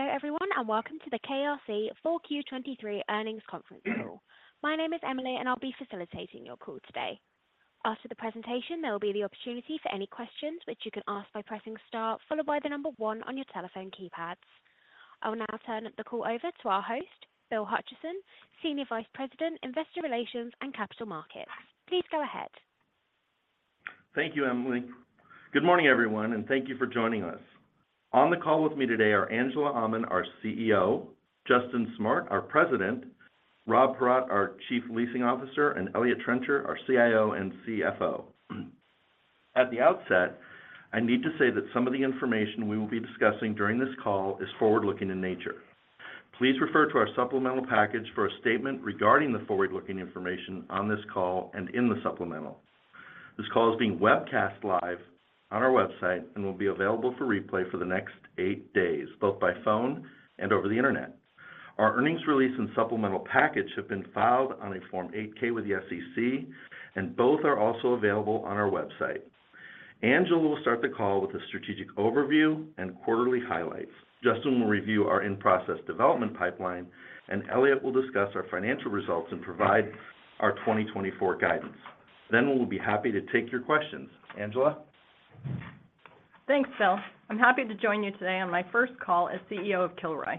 Hello, everyone, and welcome to the KRC 4Q 2023 Earnings Conference Call. My name is Emily, and I'll be facilitating your call today. After the presentation, there will be the opportunity for any questions, which you can ask by pressing Star, followed by the number one on your telephone keypads. I will now turn the call over to our host, Bill Hutcheson, Senior Vice President, Investor Relations and Capital Markets. Please go ahead. Thank you, Emily. Good morning, everyone, and thank you for joining us. On the call with me today are Angela Aman, our CEO, Justin Smart, our President, Rob Paratte, our Chief Leasing Officer, and Eliott Trencher, our CIO and CFO. At the outset, I need to say that some of the information we will be discussing during this call is forward-looking in nature. Please refer to our supplemental package for a statement regarding the forward-looking information on this call and in the supplemental. This call is being webcast live on our website and will be available for replay for the next eight days, both by phone and over the internet. Our earnings release and supplemental package have been filed on a Form 8-K with the SEC, and both are also available on our website. Angela will start the call with a strategic overview and quarterly highlights. Justin will review our in-process development pipeline, and Elliot will discuss our financial results and provide our 2024 guidance. Then we'll be happy to take your questions. Angela? Thanks, Bill. I'm happy to join you today on my first call as CEO of Kilroy.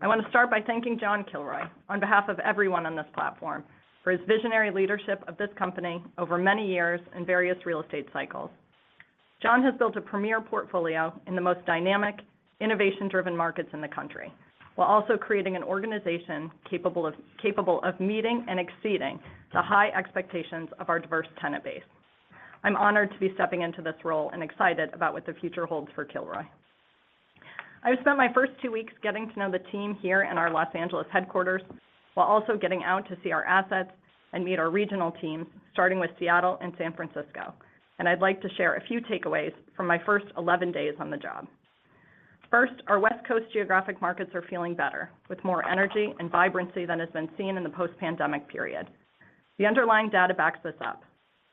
I want to start by thanking John Kilroy, on behalf of everyone on this platform, for his visionary leadership of this company over many years in various real estate cycles. John has built a premier portfolio in the most dynamic, innovation-driven markets in the country, while also creating an organization capable of meeting and exceeding the high expectations of our diverse tenant base. I'm honored to be stepping into this role and excited about what the future holds for Kilroy. I've spent my first two weeks getting to know the team here in our Los Angeles headquarters, while also getting out to see our assets and meet our regional teams, starting with Seattle and San Francisco, and I'd like to share a few takeaways from my first eleven days on the job. First, our West Coast geographic markets are feeling better, with more energy and vibrancy than has been seen in the post-pandemic period. The underlying data backs this up.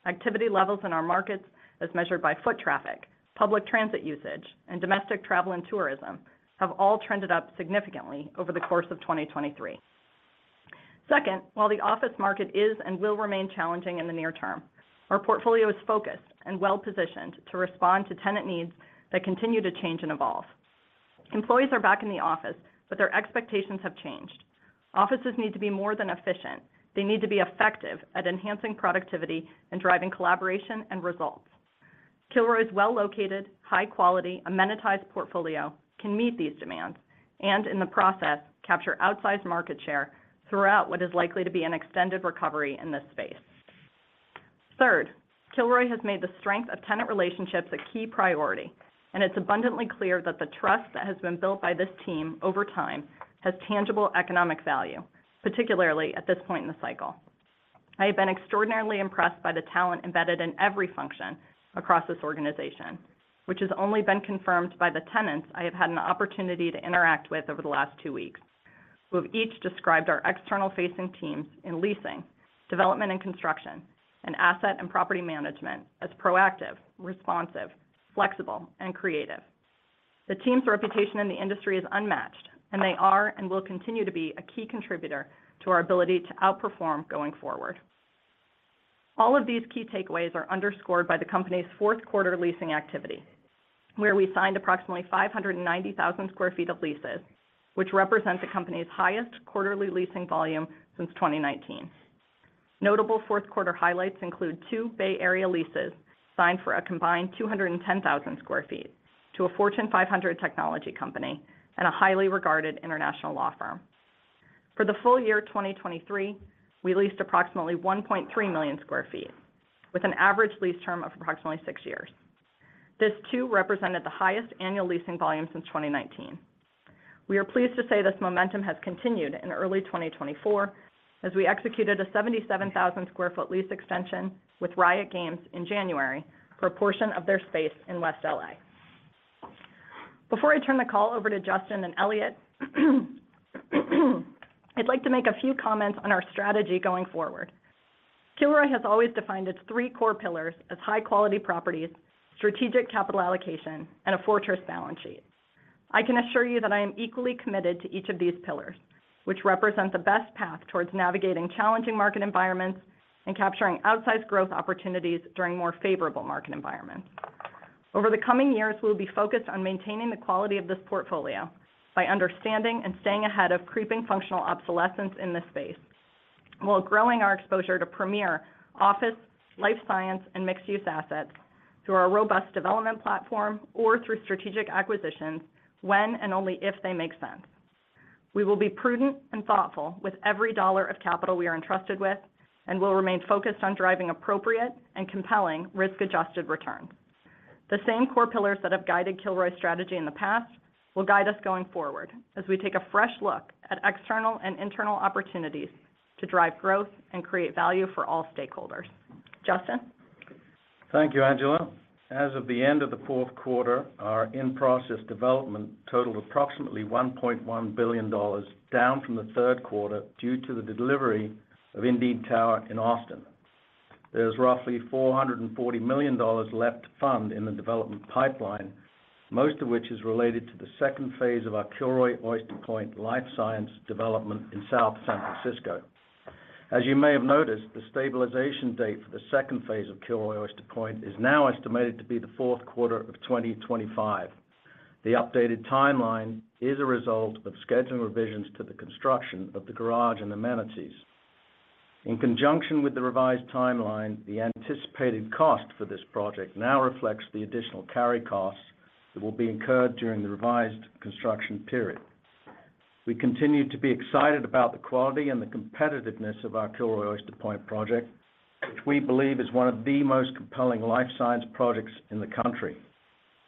Activity levels in our markets, as measured by foot traffic, public transit usage, and domestic travel and tourism, have all trended up significantly over the course of 2023. Second, while the office market is and will remain challenging in the near term, our portfolio is focused and well-positioned to respond to tenant needs that continue to change and evolve. Employees are back in the office, but their expectations have changed. Offices need to be more than efficient. They need to be effective at enhancing productivity and driving collaboration and results. Kilroy's well-located, high-quality, amenitized portfolio can meet these demands and, in the process, capture outsized market share throughout what is likely to be an extended recovery in this space. Third, Kilroy has made the strength of tenant relationships a key priority, and it's abundantly clear that the trust that has been built by this team over time has tangible economic value, particularly at this point in the cycle. I have been extraordinarily impressed by the talent embedded in every function across this organization, which has only been confirmed by the tenants I have had an opportunity to interact with over the last two weeks, who have each described our external-facing teams in leasing, development and construction, and asset and property management as proactive, responsive, flexible, and creative. The team's reputation in the industry is unmatched, and they are and will continue to be a key contributor to our ability to outperform going forward. All of these key takeaways are underscored by the company's fourth quarter leasing activity, where we signed approximately 590,000 sq ft of leases, which represents the company's highest quarterly leasing volume since 2019. Notable fourth quarter highlights include two Bay Area leases, signed for a combined 210,000 sq ft to a Fortune 500 technology company and a highly regarded international law firm. For the full year, 2023, we leased approximately 1.3 million sq ft, with an average lease term of approximately six years. This, too, represented the highest annual leasing volume since 2019. We are pleased to say this momentum has continued in early 2024, as we executed a 77,000 sq ft lease extension with Riot Games in January for a portion of their space in West LA. Before I turn the call over to Justin and Elliot, I'd like to make a few comments on our strategy going forward. Kilroy has always defined its three core pillars as high-quality properties, strategic capital allocation, and a fortress balance sheet. I can assure you that I am equally committed to each of these pillars, which represent the best path towards navigating challenging market environments and capturing outsized growth opportunities during more favorable market environments. Over the coming years, we'll be focused on maintaining the quality of this portfolio by understanding and staying ahead of creeping functional obsolescence in this space, while growing our exposure to premier office, life science, and mixed-use assets through our robust development platform or through strategic acquisitions when and only if they make sense. We will be prudent and thoughtful with every dollar of capital we are entrusted with, and we'll remain focused on driving appropriate and compelling risk-adjusted returns. The same core pillars that have guided Kilroy's strategy in the past will guide us going forward as we take a fresh look at external and internal opportunities to drive growth and create value for all stakeholders. Justin? Thank you, Angela. As of the end of the fourth quarter, our in-process development totaled approximately $1.1 billion, down from the third quarter due to the delivery of Indeed Tower in Austin. ... There's roughly $440 million left to fund in the development pipeline, most of which is related to the second phase of our Kilroy Oyster Point life science development in South San Francisco. As you may have noticed, the stabilization date for the second phase of Kilroy Oyster Point is now estimated to be the fourth quarter of 2025. The updated timeline is a result of scheduling revisions to the construction of the garage and amenities. In conjunction with the revised timeline, the anticipated cost for this project now reflects the additional carry costs that will be incurred during the revised construction period. We continue to be excited about the quality and the competitiveness of our Kilroy Oyster Point project, which we believe is one of the most compelling life science projects in the country.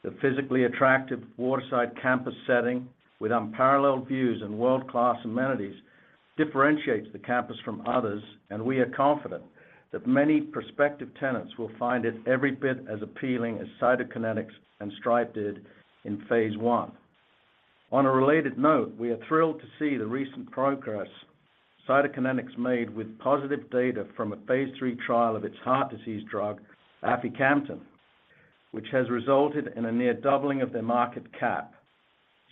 The physically attractive waterside campus setting, with unparalleled views and world-class amenities, differentiates the campus from others, and we are confident that many prospective tenants will find it every bit as appealing as Cytokinetics and Stripe did in phase one. On a related note, we are thrilled to see the recent progress Cytokinetics made with positive data from a phase three trial of its heart disease drug, aficamten, which has resulted in a near doubling of their market cap.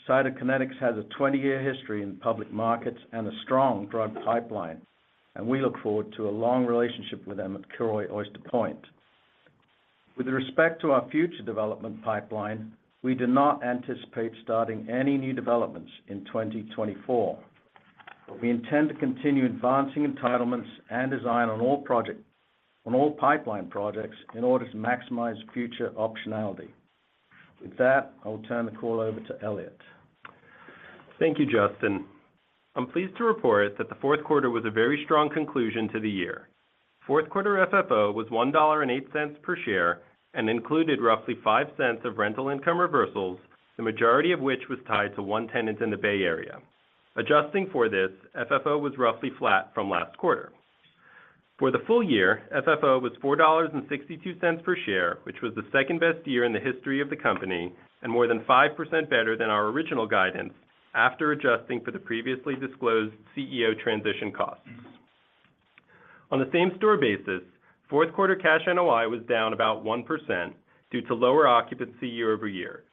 Cytokinetics has a 20-year history in public markets and a strong drug pipeline, and we look forward to a long relationship with them at Kilroy Oyster Point. With respect to our future development pipeline, we do not anticipate starting any new developments in 2024, but we intend to continue advancing entitlements and design on all pipeline projects in order to maximize future optionality. With that, I'll turn the call over to Elliot. Thank you, Justin. I'm pleased to report that the fourth quarter was a very strong conclusion to the year. Fourth quarter FFO was $1.08 per share and included roughly $0.05 of rental income reversals, the majority of which was tied to one tenant in the Bay Area. Adjusting for this, FFO was roughly flat from last quarter. For the full year, FFO was $4.62 per share, which was the second-best year in the history of the company and more than 5% better than our original guidance after adjusting for the previously disclosed CEO transition costs. On the same store basis, fourth quarter cash NOI was down about 1% due to lower occupancy year-over-year.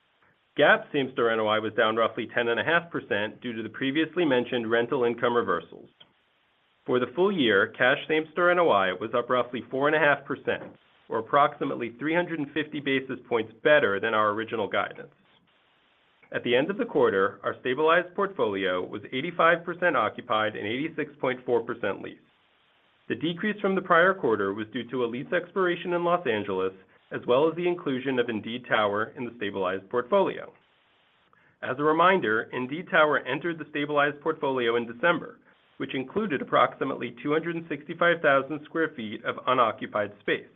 GAAP same store NOI was down roughly 10.5% due to the previously mentioned rental income reversals. For the full year, cash same store NOI was up roughly 4.5%, or approximately 350 basis points better than our original guidance. At the end of the quarter, our stabilized portfolio was 85% occupied and 86.4% leased. The decrease from the prior quarter was due to a lease expiration in Los Angeles, as well as the inclusion of Indeed Tower in the stabilized portfolio. As a reminder, Indeed Tower entered the stabilized portfolio in December, which included approximately 265,000 sq ft of unoccupied space.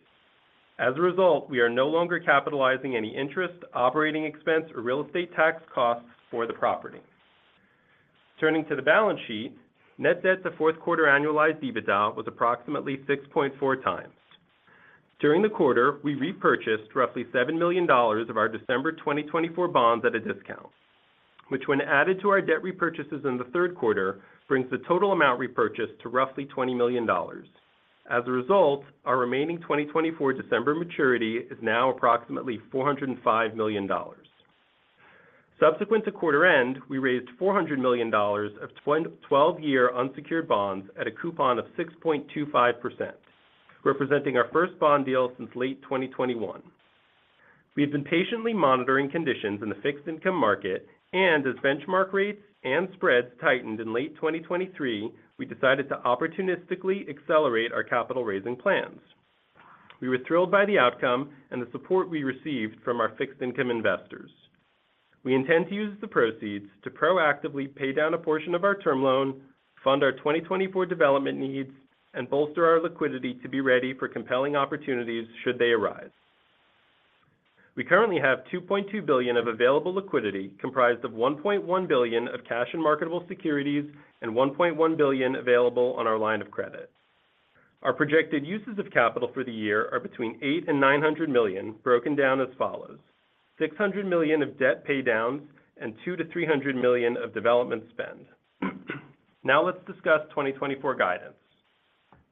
As a result, we are no longer capitalizing any interest, operating expense, or real estate tax costs for the property. Turning to the balance sheet, net debt to fourth quarter annualized EBITDA was approximately 6.4 times. During the quarter, we repurchased roughly $7 million of our December 2024 bonds at a discount, which, when added to our debt repurchases in the third quarter, brings the total amount repurchased to roughly $20 million. As a result, our remaining 2024 December maturity is now approximately $405 million. Subsequent to quarter end, we raised $400 million of twenty-year unsecured bonds at a coupon of 6.25%, representing our first bond deal since late 2021. We have been patiently monitoring conditions in the fixed income market, and as benchmark rates and spreads tightened in late 2023, we decided to opportunistically accelerate our capital raising plans. We were thrilled by the outcome and the support we received from our fixed income investors. We intend to use the proceeds to proactively pay down a portion of our term loan, fund our 2024 development needs, and bolster our liquidity to be ready for compelling opportunities should they arise. We currently have $2.2 billion of available liquidity, comprised of $1.1 billion of cash and marketable securities and $1.1 billion available on our line of credit. Our projected uses of capital for the year are between $800 million and $900 million, broken down as follows: $600 million of debt pay downs and $200 million-$300 million of development spend. Now, let's discuss 2024 guidance.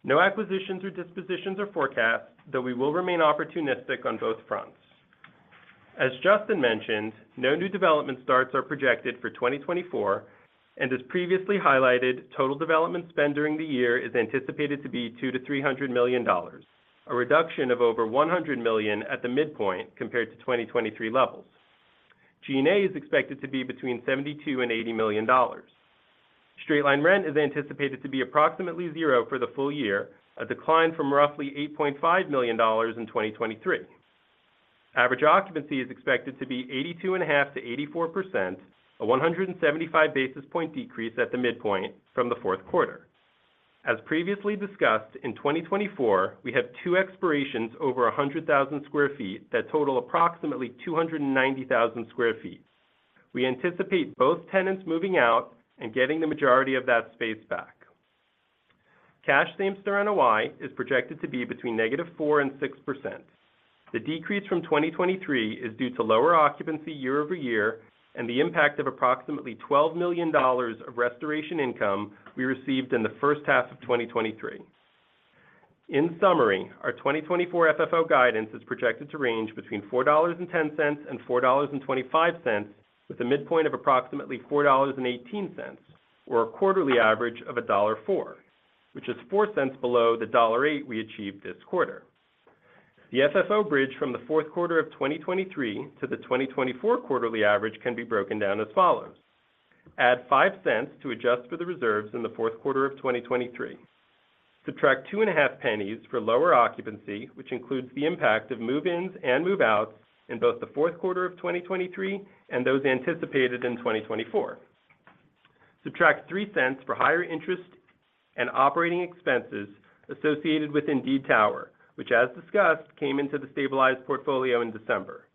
No acquisitions or dispositions are forecast, though we will remain opportunistic on both fronts. As Justin mentioned, no new development starts are projected for 2024, and as previously highlighted, total development spend during the year is anticipated to be $200 million-$300 million, a reduction of over $100 million at the midpoint compared to 2023 levels. G&A is expected to be between $72 million and $80 million. Straight line rent is anticipated to be approximately $0 for the full year, a decline from roughly $8.5 million in 2023. Average occupancy is expected to be 82.5%-84%, a 175 basis point decrease at the midpoint from the fourth quarter. As previously discussed, in 2024, we have two expirations over 100,000 sq ft that total approximately 290,000 sq ft. We anticipate both tenants moving out and getting the majority of that space back. Cash same store NOI is projected to be between -4% and 6%. The decrease from 2023 is due to lower occupancy year-over-year, and the impact of approximately $12 million of restoration income we received in the first half of 2023. In summary, our 2024 FFO guidance is projected to range between $4.10 and $4.25, with a midpoint of approximately $4.18, or a quarterly average of $1.04, which is 4 cents below the $1.08 we achieved this quarter. The FFO bridge from the fourth quarter of 2023 to the 2024 quarterly average can be broken down as follows: Add 5 cents to adjust for the reserves in the fourth quarter of 2023. Subtract $0.025 for lower occupancy, which includes the impact of move-ins and move-outs in both the fourth quarter of 2023 and those anticipated in 2024. Subtract $0.03 for higher interest and operating expenses associated with Indeed Tower, which, as discussed, came into the stabilized portfolio in December.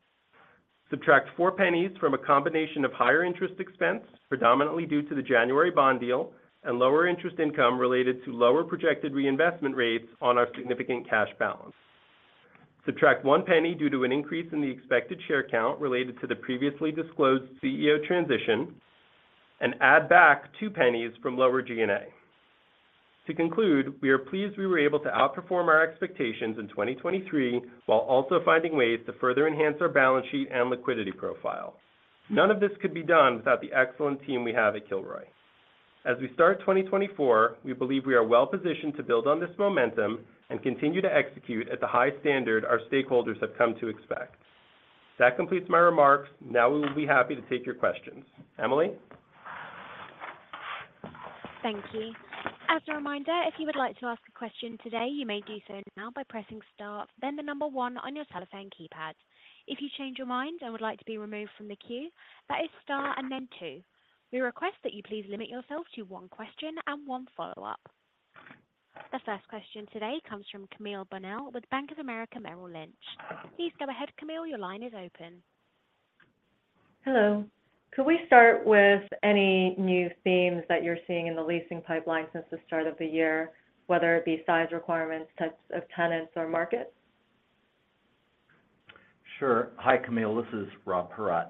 Subtract $0.04 from a combination of higher interest expense, predominantly due to the January bond deal, and lower interest income related to lower projected reinvestment rates on our significant cash balance. Subtract $0.01 due to an increase in the expected share count related to the previously disclosed CEO transition, and add back $0.02 from lower G&A. To conclude, we are pleased we were able to outperform our expectations in 2023, while also finding ways to further enhance our balance sheet and liquidity profile. None of this could be done without the excellent team we have at Kilroy. As we start 2024, we believe we are well positioned to build on this momentum and continue to execute at the high standard our stakeholders have come to expect. That completes my remarks. Now, we will be happy to take your questions. Emily? Thank you. As a reminder, if you would like to ask a question today, you may do so now by pressing star, then the number one on your telephone keypad. If you change your mind and would like to be removed from the queue, that is star and then two. We request that you please limit yourself to one question and one follow-up. The first question today comes from Camille Bonnel with Bank of America, Merrill Lynch. Please go ahead, Camille. Your line is open. Hello. Could we start with any new themes that you're seeing in the leasing pipeline since the start of the year, whether it be size requirements, types of tenants, or markets? Sure. Hi, Camille. This is Rob Paratte.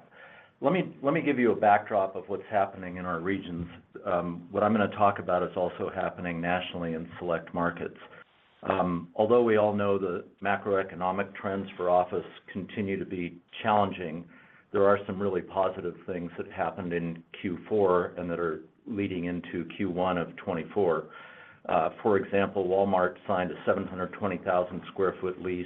Let me, let me give you a backdrop of what's happening in our regions. What I'm going to talk about is also happening nationally in select markets. Although we all know the macroeconomic trends for office continue to be challenging, there are some really positive things that happened in Q4 and that are leading into Q1 of 2024. For example, Walmart signed a 720,000 sq ft lease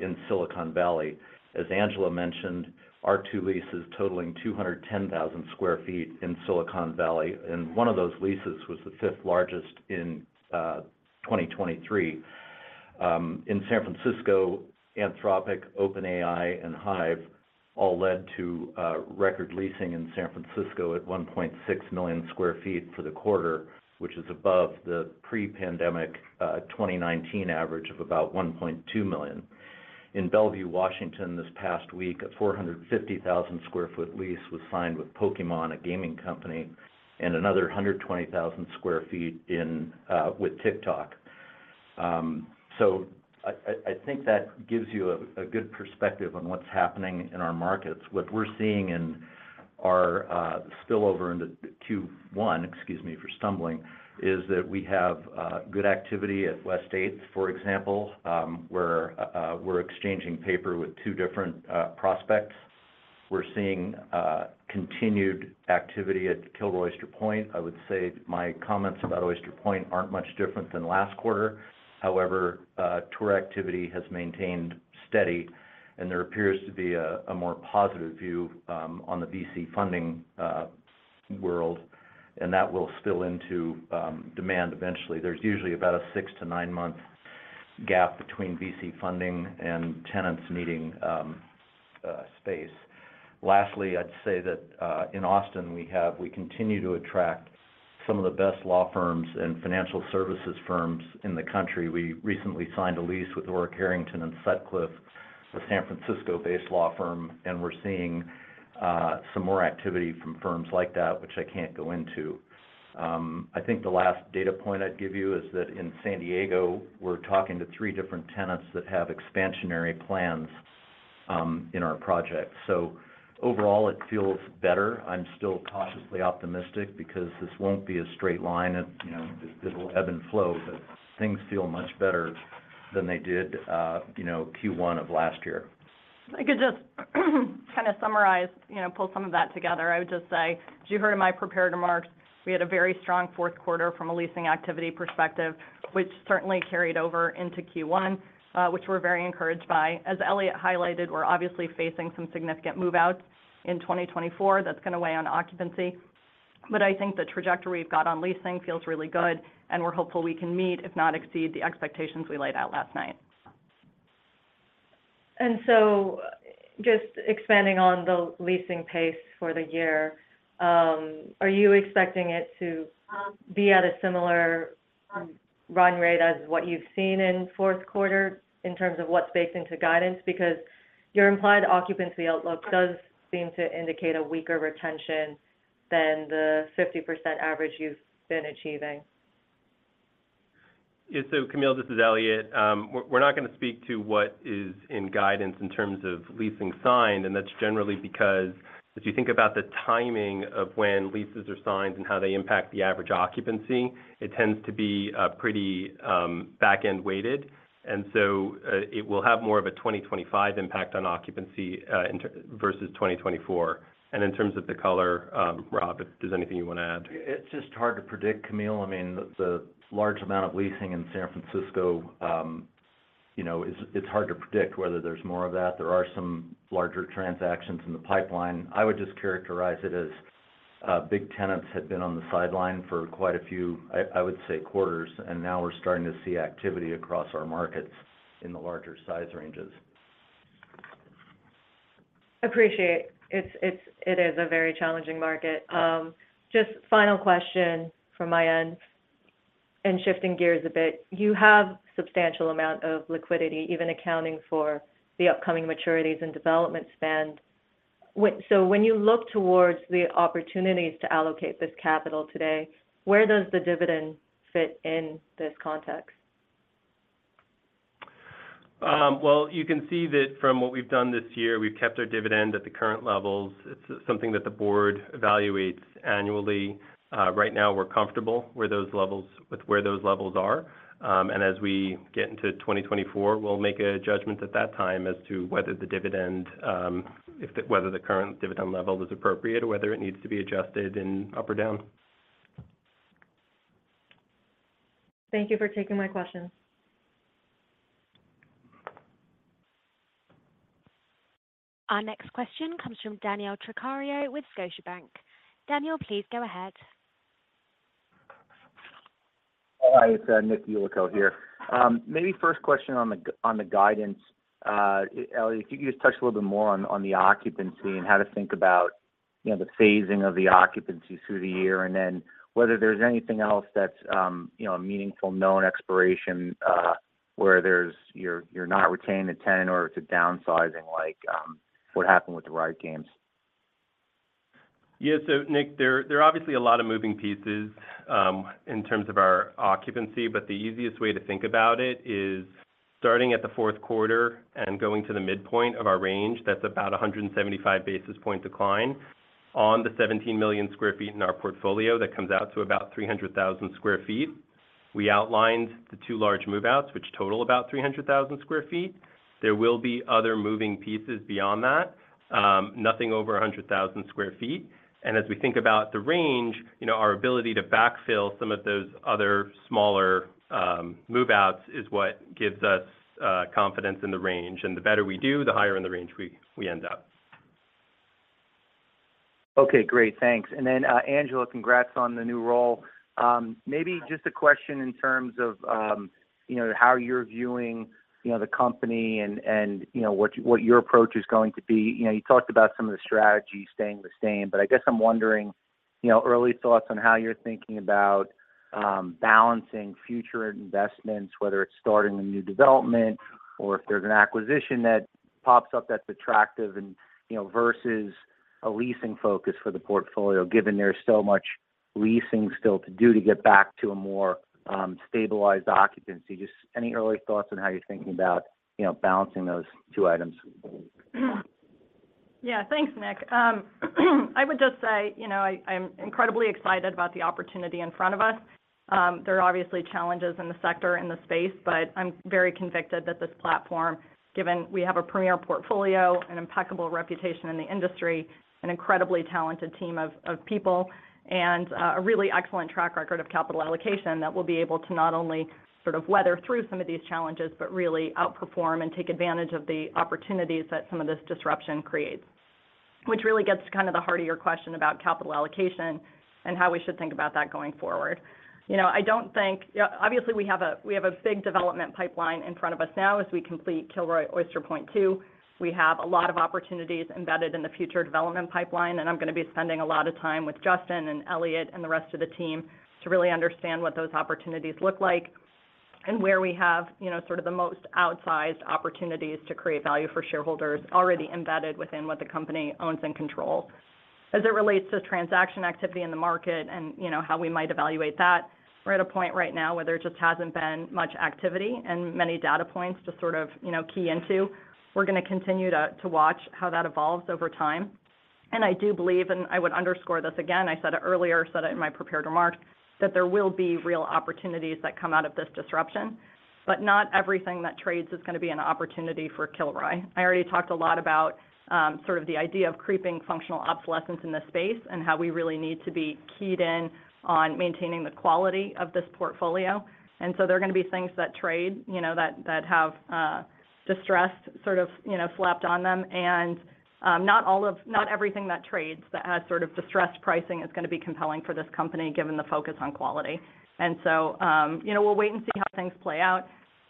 in Silicon Valley. As Angela mentioned, our two leases totaling 210,000 sq ft in Silicon Valley, and one of those leases was the fifth largest in 2023. In San Francisco, Anthropic, OpenAI, and Hive all led to record leasing in San Francisco at 1.6 million sq ft for the quarter, which is above the pre-pandemic 2019 average of about 1.2 million. In Bellevue, Washington, this past week, a 450,000 sq ft lease was signed with Pokémon, a gaming company, and another 120,000 sq ft with TikTok. So I think that gives you a good perspective on what's happening in our markets. What we're seeing in our spillover into Q1, excuse me for stumbling, is that we have good activity at West 8th, for example, where we're exchanging paper with two different prospects. We're seeing continued activity at Kilroy Oyster Point. I would say my comments about Oyster Point aren't much different than last quarter. However, tour activity has maintained steady, and there appears to be a more positive view on the VC funding world, and that will spill into demand eventually. There's usually about a six to seven-month gap between VC funding and tenants needing space. Lastly, I'd say that in Austin, we continue to attract some of the best law firms and financial services firms in the country. We recently signed a lease with Orrick, Herrington & Sutcliffe, a San Francisco-based law firm, and we're seeing some more activity from firms like that, which I can't go into. I think the last data point I'd give you is that in San Diego, we're talking to three different tenants that have expansionary plans in our project. Overall, it feels better. I'm still cautiously optimistic because this won't be a straight line. It, you know, it'll ebb and flow, but things feel much better than they did, you know, Q1 of last year. If I could just kind of summarize, you know, pull some of that together. I would just say, as you heard in my prepared remarks, we had a very strong fourth quarter from a leasing activity perspective, which certainly carried over into Q1, which we're very encouraged by. As Elliot highlighted, we're obviously facing some significant move-outs in 2024. That's going to weigh on occupancy, but I think the trajectory we've got on leasing feels really good, and we're hopeful we can meet, if not exceed, the expectations we laid out last night. So, just expanding on the leasing pace for the year, are you expecting it to be at a similar run rate as what you've seen in fourth quarter in terms of what's baked into guidance? Because your implied occupancy outlook does seem to indicate a weaker retention than the 50% average you've been achieving.... Yeah, so Camille, this is Elliot. We're not going to speak to what is in guidance in terms of leasing signed, and that's generally because if you think about the timing of when leases are signed and how they impact the average occupancy, it tends to be pretty back-end weighted. And so, it will have more of a 2025 impact on occupancy versus 2024. And in terms of the color, Rob, if there's anything you want to add? It's just hard to predict, Camille. I mean, the large amount of leasing in San Francisco, you know, it's hard to predict whether there's more of that. There are some larger transactions in the pipeline. I would just characterize it as, big tenants had been on the sideline for quite a few, I would say, quarters, and now we're starting to see activity across our markets in the larger size ranges. Appreciate. It's, it is a very challenging market. Just final question from my end, and shifting gears a bit. You have substantial amount of liquidity, even accounting for the upcoming maturities and development spend. So when you look towards the opportunities to allocate this capital today, where does the dividend fit in this context? Well, you can see that from what we've done this year, we've kept our dividend at the current levels. It's something that the board evaluates annually. Right now, we're comfortable with where those levels are. And as we get into 2024, we'll make a judgment at that time as to whether the dividend, whether the current dividend level is appropriate or whether it needs to be adjusted up or down. Thank you for taking my questions. Our next question comes from Daniel Tricarico with Scotiabank. Danielle, please go ahead. Hi, it's Nick Yulico here. Maybe first question on the guidance. Elliot, if you could just touch a little bit more on the occupancy and how to think about, you know, the phasing of the occupancy through the year, and then whether there's anything else that's, you know, a meaningful known expiration, where you're not retaining a tenant or it's a downsizing, like what happened with the Riot Games. Yeah. So Nick, there, there are obviously a lot of moving pieces in terms of our occupancy, but the easiest way to think about it is starting at the fourth quarter and going to the midpoint of our range, that's about 175 basis point decline. On the 17 million sq ft in our portfolio, that comes out to about 300,000 sq ft. We outlined the two large move-outs, which total about 300,000 sq ft. There will be other moving pieces beyond that, nothing over 100,000 sq ft. And as we think about the range, you know, our ability to backfill some of those other smaller move-outs is what gives us confidence in the range. And the better we do, the higher in the range we end up. Okay, great. Thanks. And then, Angela, congrats on the new role. Maybe just a question in terms of, you know, how you're viewing, you know, the company and, and you know, what, what your approach is going to be. You know, you talked about some of the strategy staying the same, but I guess I'm wondering, you know, early thoughts on how you're thinking about, balancing future investments, whether it's starting a new development or if there's an acquisition that pops up that's attractive and, you know, versus a leasing focus for the portfolio, given there's so much leasing still to do to get back to a more, stabilized occupancy. Just any early thoughts on how you're thinking about, you know, balancing those two items? Yeah. Thanks, Nick. I would just say, you know, I, I'm incredibly excited about the opportunity in front of us. There are obviously challenges in the sector and the space, but I'm very convicted that this platform, given we have a premier portfolio, an impeccable reputation in the industry, an incredibly talented team of people, and a really excellent track record of capital allocation, that we'll be able to not only sort of weather through some of these challenges, but really outperform and take advantage of the opportunities that some of this disruption creates. Which really gets to kind of the heart of your question about capital allocation and how we should think about that going forward. You know, I don't think—Obviously, we have a big development pipeline in front of us now as we complete Kilroy Oyster Point Two. We have a lot of opportunities embedded in the future development pipeline, and I'm going to be spending a lot of time with Justin and Elliot and the rest of the team to really understand what those opportunities look like and where we have, you know, sort of the most outsized opportunities to create value for shareholders already embedded within what the company owns and controls. As it relates to transaction activity in the market and, you know, how we might evaluate that, we're at a point right now where there just hasn't been much activity and many data points to sort of, you know, key into. We're going to continue to watch how that evolves over time. I do believe, and I would underscore this again, I said it earlier, said it in my prepared remarks, that there will be real opportunities that come out of this disruption, but not everything that trades is going to be an opportunity for Kilroy. I already talked a lot about sort of the idea of creeping functional obsolescence in this space and how we really need to be keyed in on maintaining the quality of this portfolio. And so there are going to be things that trade, you know, that, that have distress sort of, you know, slapped on them. And not all of—not everything that trades that has sort of distressed pricing is going to be compelling for this company, given the focus on quality. And so, you know, we'll wait and see how things play out.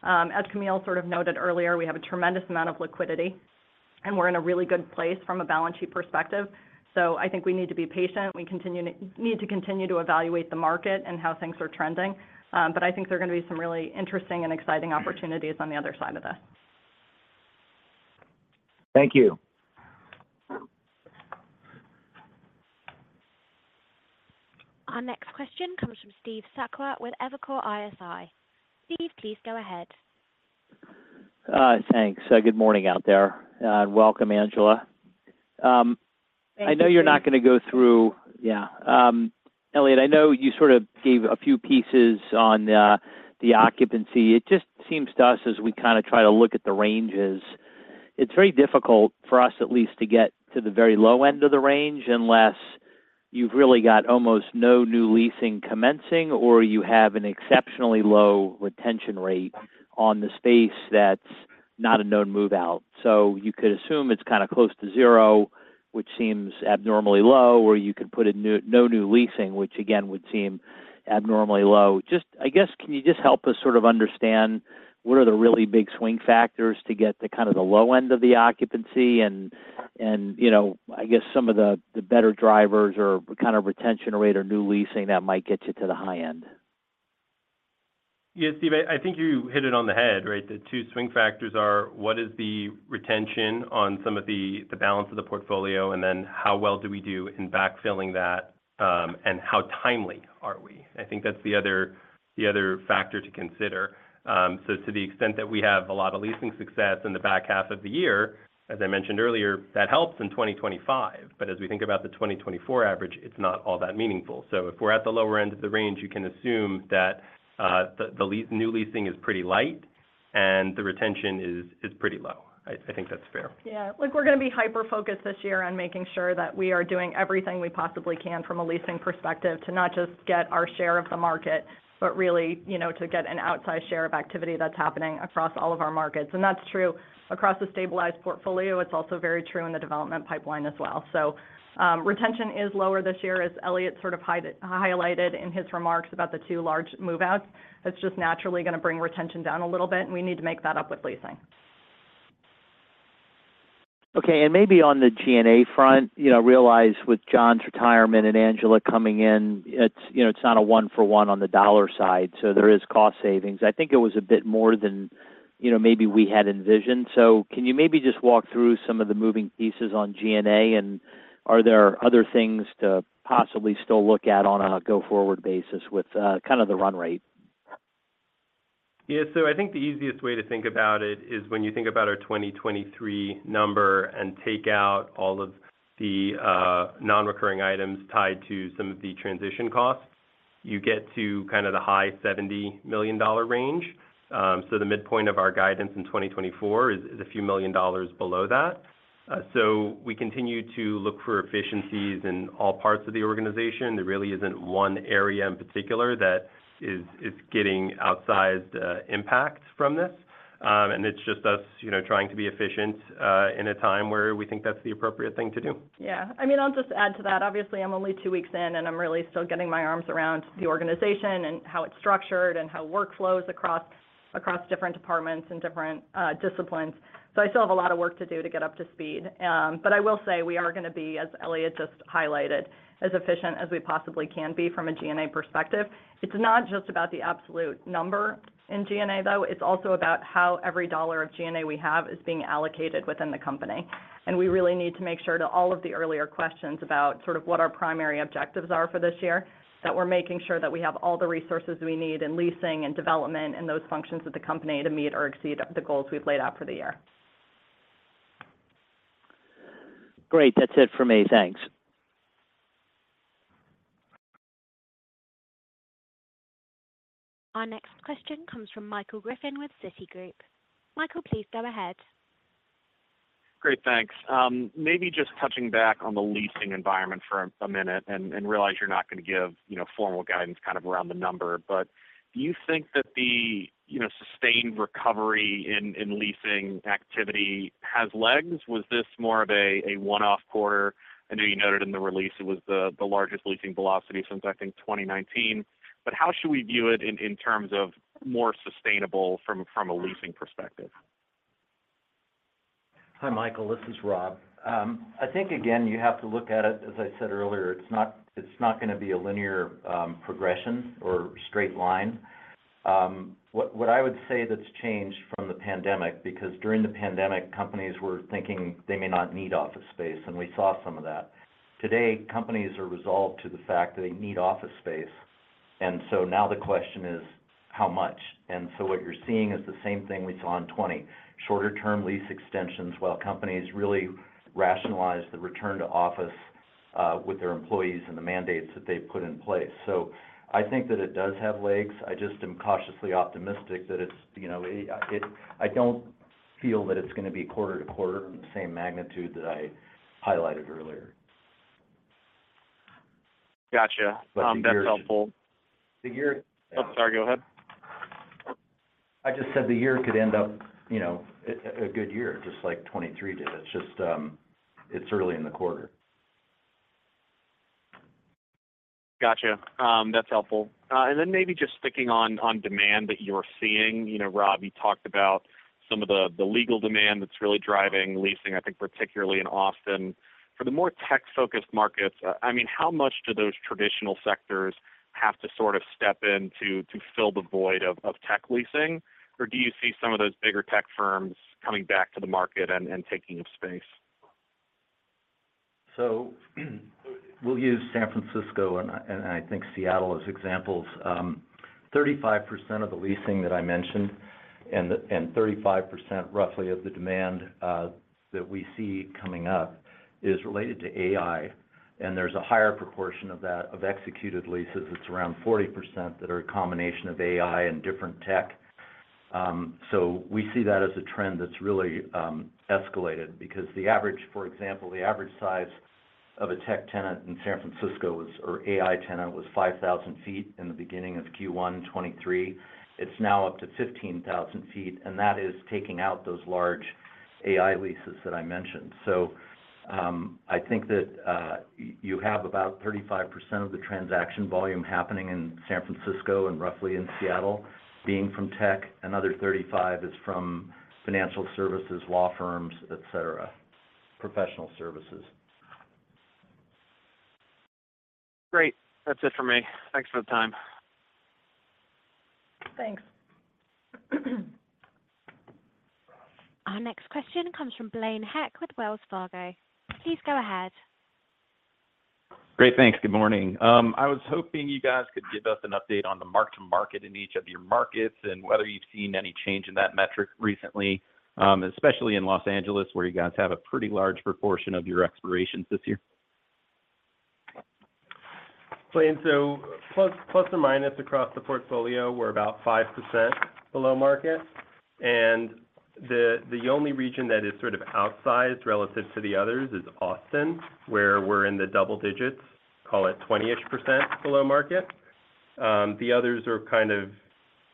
As Camille sort of noted earlier, we have a tremendous amount of liquidity, and we're in a really good place from a balance sheet perspective. I think we need to be patient. We need to continue to evaluate the market and how things are trending. But I think there are going to be some really interesting and exciting opportunities on the other side of this. Thank you. Our next question comes from Steve Sakwa with Evercore ISI. Steve, please go ahead. Thanks. Good morning out there, and welcome, Angela. Thank you. I know you're not going to go through... Yeah. Elliot, I know you sort of gave a few pieces on the occupancy. It just seems to us, as we kind of try to look at the ranges, it's very difficult for us at least, to get to the very low end of the range, unless you've really got almost no new leasing commencing, or you have an exceptionally low retention rate on the space that's not a known move-out. So you could assume it's kind of close to zero, which seems abnormally low, or you could put no new leasing, which, again, would seem abnormally low. Just, I guess, can you just help us sort of understand what are the really big swing factors to get to kind of the low end of the occupancy and, you know, I guess some of the better drivers or kind of retention rate or new leasing that might get you to the high end? Yeah, Steve, I think you hit it on the head, right? The two swing factors are, what is the retention on some of the balance of the portfolio? And then, how well do we do in backfilling that, and how timely are we? I think that's the other factor to consider. So to the extent that we have a lot of leasing success in the back half of the year, as I mentioned earlier, that helps in 2025. But as we think about the 2024 average, it's not all that meaningful. So if we're at the lower end of the range, you can assume that the new leasing is pretty light, and the retention is pretty low. I think that's fair. Yeah. Look, we're going to be hyper-focused this year on making sure that we are doing everything we possibly can from a leasing perspective, to not just get our share of the market, but really, you know, to get an outsized share of activity that's happening across all of our markets. And that's true across the stabilized portfolio. It's also very true in the development pipeline as well. So, retention is lower this year, as Eliott sort of highlighted in his remarks about the two large move-outs. That's just naturally going to bring retention down a little bit, and we need to make that up with leasing. Okay, and maybe on the G&A front, you know, realize with John's retirement and Angela coming in, it's, you know, it's not a one-for-one on the dollar side, so there is cost savings. I think it was a bit more than, you know, maybe we had envisioned. So can you maybe just walk through some of the moving pieces on G&A, and are there other things to possibly still look at on a go-forward basis with kind of the run rate? Yeah, so I think the easiest way to think about it is when you think about our 2023 number and take out all of the non-recurring items tied to some of the transition costs, you get to kind of the high $70 million range. So the midpoint of our guidance in 2024 is a few dollars million below that. So we continue to look for efficiencies in all parts of the organization. There really isn't one area in particular that is getting outsized impact from this. And it's just us, you know, trying to be efficient in a time where we think that's the appropriate thing to do. Yeah. I mean, I'll just add to that. Obviously, I'm only two weeks in, and I'm really still getting my arms around the organization and how it's structured and how work flows across, across different departments and different disciplines. So I still have a lot of work to do to get up to speed. But I will say we are going to be, as Elliot just highlighted, as efficient as we possibly can be from a G&A perspective. It's not just about the absolute number in G&A, though. It's also about how every dollar of G&A we have is being allocated within the company. We really need to make sure to all of the earlier questions about sort of what our primary objectives are for this year, that we're making sure that we have all the resources we need in leasing and development and those functions of the company to meet or exceed the goals we've laid out for the year. Great. That's it for me. Thanks. Our next question comes from Michael Griffin with Citigroup. Michael, please go ahead. Great. Thanks. Maybe just touching back on the leasing environment for a minute, and realize you're not going to give, you know, formal guidance kind of around the number. But do you think that the, you know, sustained recovery in leasing activity has legs? Was this more of a one-off quarter? I know you noted in the release it was the largest leasing velocity since, I think, 2019, but how should we view it in terms of more sustainable from a leasing perspective? Hi, Michael. This is Rob. I think, again, you have to look at it, as I said earlier, it's not, it's not going to be a linear progression or straight line. What I would say that's changed from the pandemic, because during the pandemic, companies were thinking they may not need office space, and we saw some of that. Today, companies are resolved to the fact that they need office space, and so now the question is: How much? And so what you're seeing is the same thing we saw in 2020. Shorter-term lease extensions, while companies really rationalize the return to office with their employees and the mandates that they've put in place. So I think that it does have legs. I just am cautiously optimistic that it's, you know, I don't feel that it's going to be quarter to quarter, the same magnitude that I highlighted earlier. Gotcha. But the year- That's helpful. The year- Oh, sorry, go ahead. I just said the year could end up, you know, a good year, just like 2023 did. It's just, it's early in the quarter. Gotcha. That's helpful. And then maybe just sticking on demand that you're seeing. You know, Rob, you talked about some of the legal demand that's really driving leasing, I think, particularly in Austin. For the more tech-focused markets, I mean, how much do those traditional sectors-... have to sort of step in to fill the void of tech leasing? Or do you see some of those bigger tech firms coming back to the market and taking up space? So, we'll use San Francisco and L.A., and I think Seattle as examples. Thirty-five percent of the leasing that I mentioned, and thirty-five percent, roughly, of the demand that we see coming up is related to AI. And there's a higher proportion of that, of executed leases, it's around 40%, that are a combination of AI and different tech. So we see that as a trend that's really escalated because the average... For example, the average size of a tech tenant in San Francisco is, or AI tenant, was 5,000 sq ft in the beginning of Q1 2023. It's now up to 15,000 sq ft, and that is taking out those large AI leases that I mentioned. I think that you have about 35% of the transaction volume happening in San Francisco and roughly in Seattle being from tech. Another 35% is from financial services, law firms, et cetera, professional services. Great. That's it for me. Thanks for the time. Thanks. Our next question comes from Blaine Heck with Wells Fargo. Please go ahead. Great. Thanks. Good morning. I was hoping you guys could give us an update on the mark-to-market in each of your markets and whether you've seen any change in that metric recently, especially in Los Angeles, where you guys have a pretty large proportion of your expirations this year. Blaine, so ± across the portfolio, we're about 5% below market. And the only region that is sort of outsized relative to the others is Austin, where we're in the double digits, call it 20-ish% below market. The others are kind of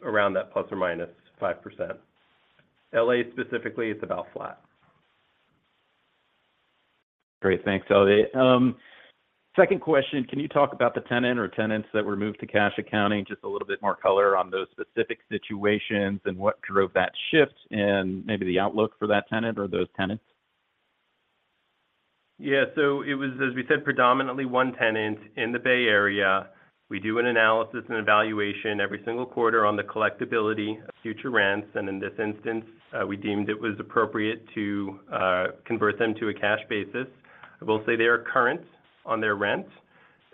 around that ±5%. L.A., specifically, is about flat. Great. Thanks, Elliot. Second question: Can you talk about the tenant or tenants that were moved to cash accounting? Just a little bit more color on those specific situations and what drove that shift, and maybe the outlook for that tenant or those tenants. Yeah, so it was, as we said, predominantly one tenant in the Bay Area. We do an analysis and evaluation every single quarter on the collectibility of future rents, and in this instance, we deemed it was appropriate to convert them to a cash basis. I will say they are current on their rent,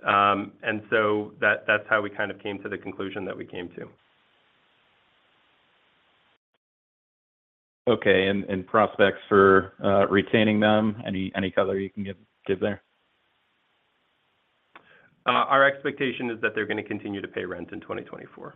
and so that, that's how we kind of came to the conclusion that we came to. Okay. And prospects for retaining them, any color you can give there? Our expectation is that they're going to continue to pay rent in 2024.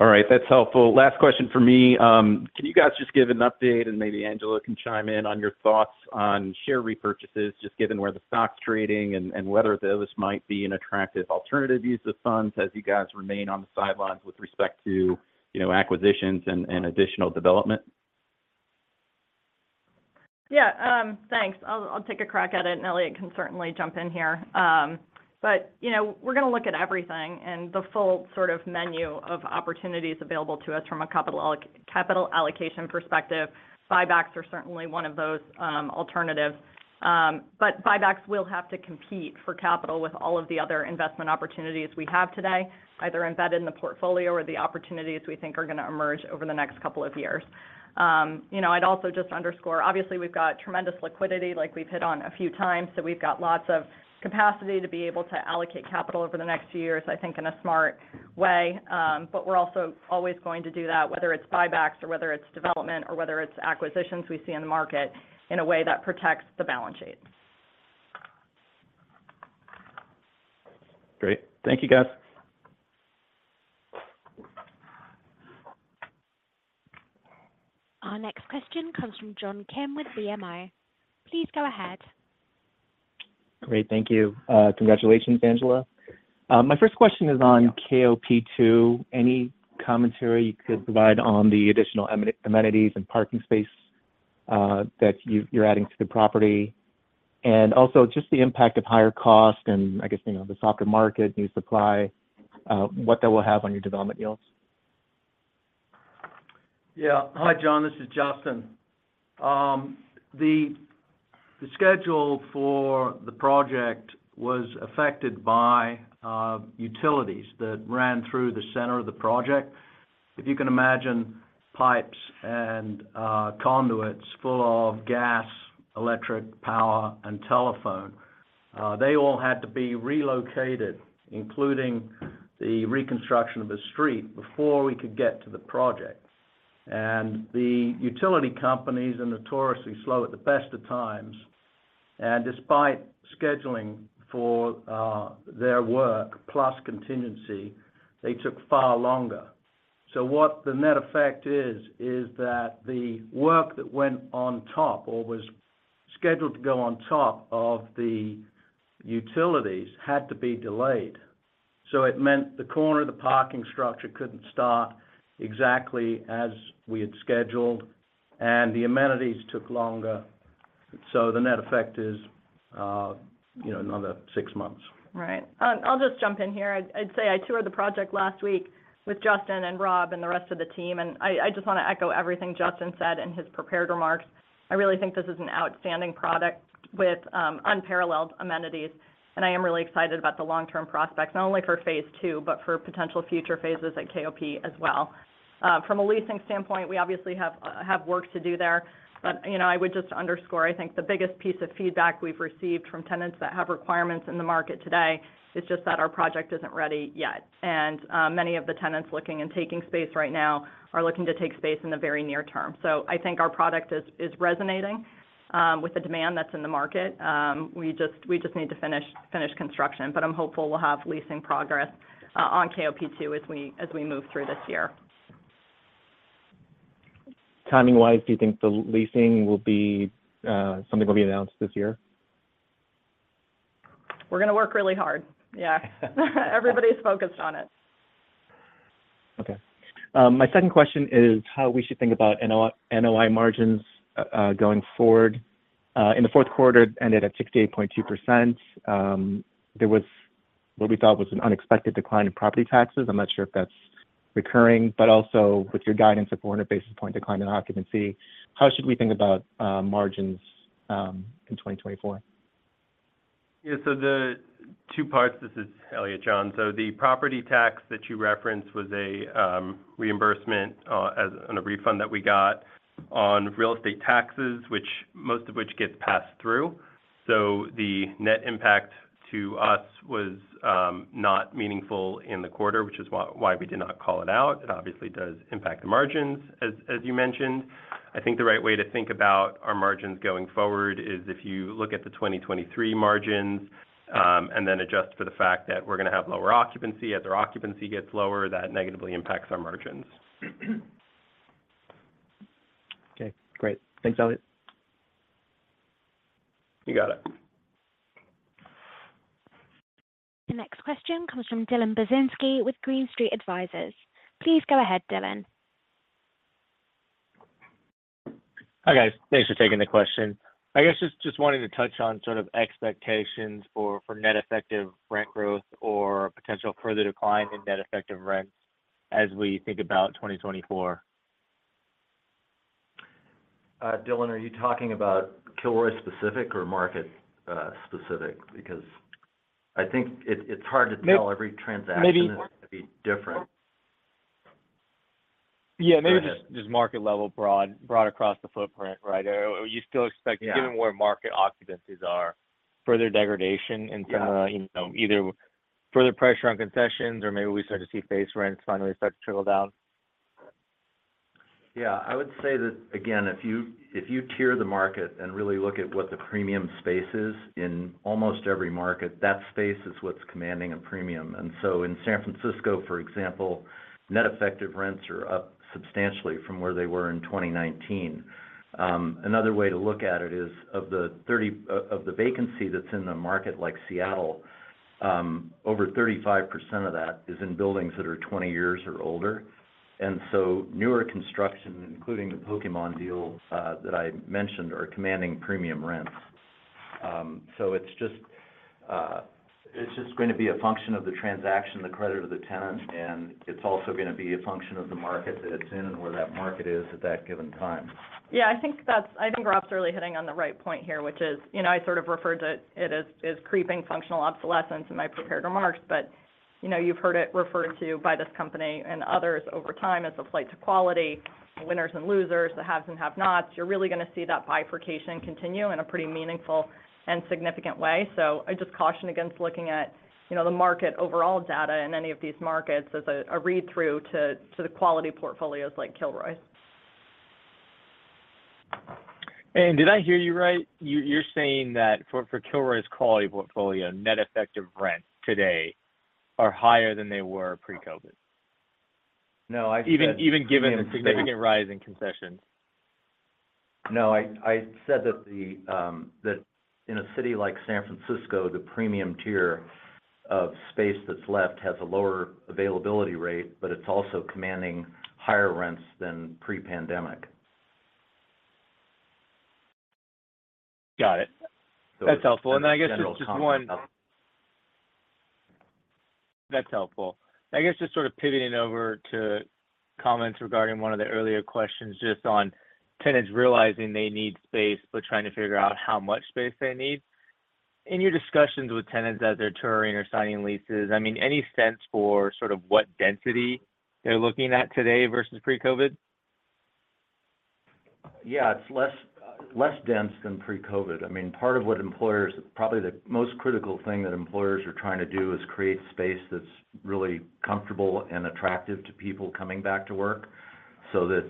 All right. That's helpful. Last question for me. Can you guys just give an update, and maybe Angela can chime in on your thoughts on share repurchases, just given where the stock's trading and, and whether this might be an attractive alternative use of funds as you guys remain on the sidelines with respect to, you know, acquisitions and, and additional development? Yeah, thanks. I'll take a crack at it, and Elliot can certainly jump in here. But, you know, we're going to look at everything and the full sort of menu of opportunities available to us from a capital allocation perspective. Buybacks are certainly one of those alternatives. But buybacks will have to compete for capital with all of the other investment opportunities we have today, either embedded in the portfolio or the opportunities we think are going to emerge over the next couple of years. You know, I'd also just underscore, obviously, we've got tremendous liquidity, like we've hit on a few times, so we've got lots of capacity to be able to allocate capital over the next few years, I think, in a smart way. But we're also always going to do that, whether it's buybacks or whether it's development or whether it's acquisitions we see in the market, in a way that protects the balance sheet. Great. Thank you, guys. Our next question comes from John Kim with BMO Capital Markets. Please go ahead. Great. Thank you. Congratulations, Angela. My first question is on KOP Two. Any commentary you could provide on the additional amenities and parking space that you're adding to the property? And also, just the impact of higher cost and, I guess, you know, the softer market, new supply, what that will have on your development yields. Yeah. Hi, John, this is Justin. The schedule for the project was affected by utilities that ran through the center of the project. If you can imagine pipes and conduits full of gas, electric power, and telephone, they all had to be relocated, including the reconstruction of the street, before we could get to the project. The utility companies are notoriously slow at the best of times, and despite scheduling for their work plus contingency, they took far longer. So what the net effect is that the work that went on top or was scheduled to go on top of the utilities had to be delayed. So it meant the corner of the parking structure couldn't start exactly as we had scheduled, and the amenities took longer. So the net effect is, you know, another 6 months. Right. I'll just jump in here. I'd say I toured the project last week with Justin and Rob and the rest of the team, and I just want to echo everything Justin said in his prepared remarks. I really think this is an outstanding product with unparalleled amenities, and I am really excited about the long-term prospects, not only for phase two, but for potential future phases at KOP as well. From a leasing standpoint, we obviously have work to do there, but, you know, I would just underscore, I think the biggest piece of feedback we've received from tenants that have requirements in the market today is just that our project isn't ready yet. And many of the tenants looking and taking space right now are looking to take space in the very near term. So I think our product is resonating with the demand that's in the market. We just need to finish construction, but I'm hopeful we'll have leasing progress on KOP two as we move through this year. Timing-wise, do you think the leasing will be, something will be announced this year? We're going to work really hard. Yeah. Everybody is focused on it. Okay. My second question is, how we should think about NOI margins going forward? In the fourth quarter, it ended at 68.2%. There was what we thought was an unexpected decline in property taxes. I'm not sure if that's recurring, but also with your guidance of 40 basis points decline in occupancy, how should we think about margins in 2024? Yeah, so the two parts. This is Elliot Trencher. So the property tax that you referenced was a reimbursement and a refund that we got on real estate taxes, which most of which gets passed through. So the net impact to us was not meaningful in the quarter, which is why we did not call it out. It obviously does impact the margins, as you mentioned. I think the right way to think about our margins going forward is if you look at the 2023 margins and then adjust for the fact that we're going to have lower occupancy. As our occupancy gets lower, that negatively impacts our margins. Okay, great. Thanks, Elliot. You got it. The next question comes from Dylan Burzinski with Green Street. Please go ahead, Dylan. Hi, guys. Thanks for taking the question. I guess just wanting to touch on sort of expectations for net effective rent growth or potential further decline in net effective rents as we think about 2024. Dylan, are you talking about Kilroy specific or market specific? Because I think it's hard to tell. May- Every transaction- Maybe- is going to be different. Yeah, maybe- Go ahead... just market level broad across the footprint, right? Are you still expecting- Yeah... given where market occupancies are, further degradation in terms- Yeah... of, you know, either further pressure on concessions or maybe we start to see base rents finally start to trickle down? Yeah, I would say that, again, if you, if you tier the market and really look at what the premium space is in almost every market, that space is what's commanding a premium. And so in San Francisco, for example, net effective rents are up substantially from where they were in 2019. Another way to look at it is of the 30, of the vacancy that's in the market, like Seattle, over 35% of that is in buildings that are 20 years or older. And so newer construction, including the Pokémon deal that I mentioned, are commanding premium rents. So it's just, it's just going to be a function of the transaction, the credit of the tenant, and it's also going to be a function of the market that it's in and where that market is at that given time. I think Rob's really hitting on the right point here, which is, you know, I sort of referred to it as creeping functional obsolescence in my prepared remarks, but, you know, you've heard it referred to by this company and others over time as a flight to quality, winners and losers, the haves and have-nots. You're really going to see that bifurcation continue in a pretty meaningful and significant way. So I just caution against looking at, you know, the market overall data in any of these markets as a read-through to the quality portfolios like Kilroy. Did I hear you right? You, you're saying that for, for Kilroy's quality portfolio, net effective rents today are higher than they were pre-COVID? No, I said- Even given the significant rise in concessions. No, I said that in a city like San Francisco, the premium tier of space that's left has a lower availability rate, but it's also commanding higher rents than pre-pandemic. Got it. So- That's helpful. And I guess just one- General comment about- That's helpful. I guess just sort of pivoting over to comments regarding one of the earlier questions, just on tenants realizing they need space, but trying to figure out how much space they need. In your discussions with tenants as they're touring or signing leases, I mean, any sense for sort of what density they're looking at today versus pre-COVID? Yeah, it's less dense than pre-COVID. I mean, part of what employers-- probably the most critical thing that employers are trying to do is create space that's really comfortable and attractive to people coming back to work, so that,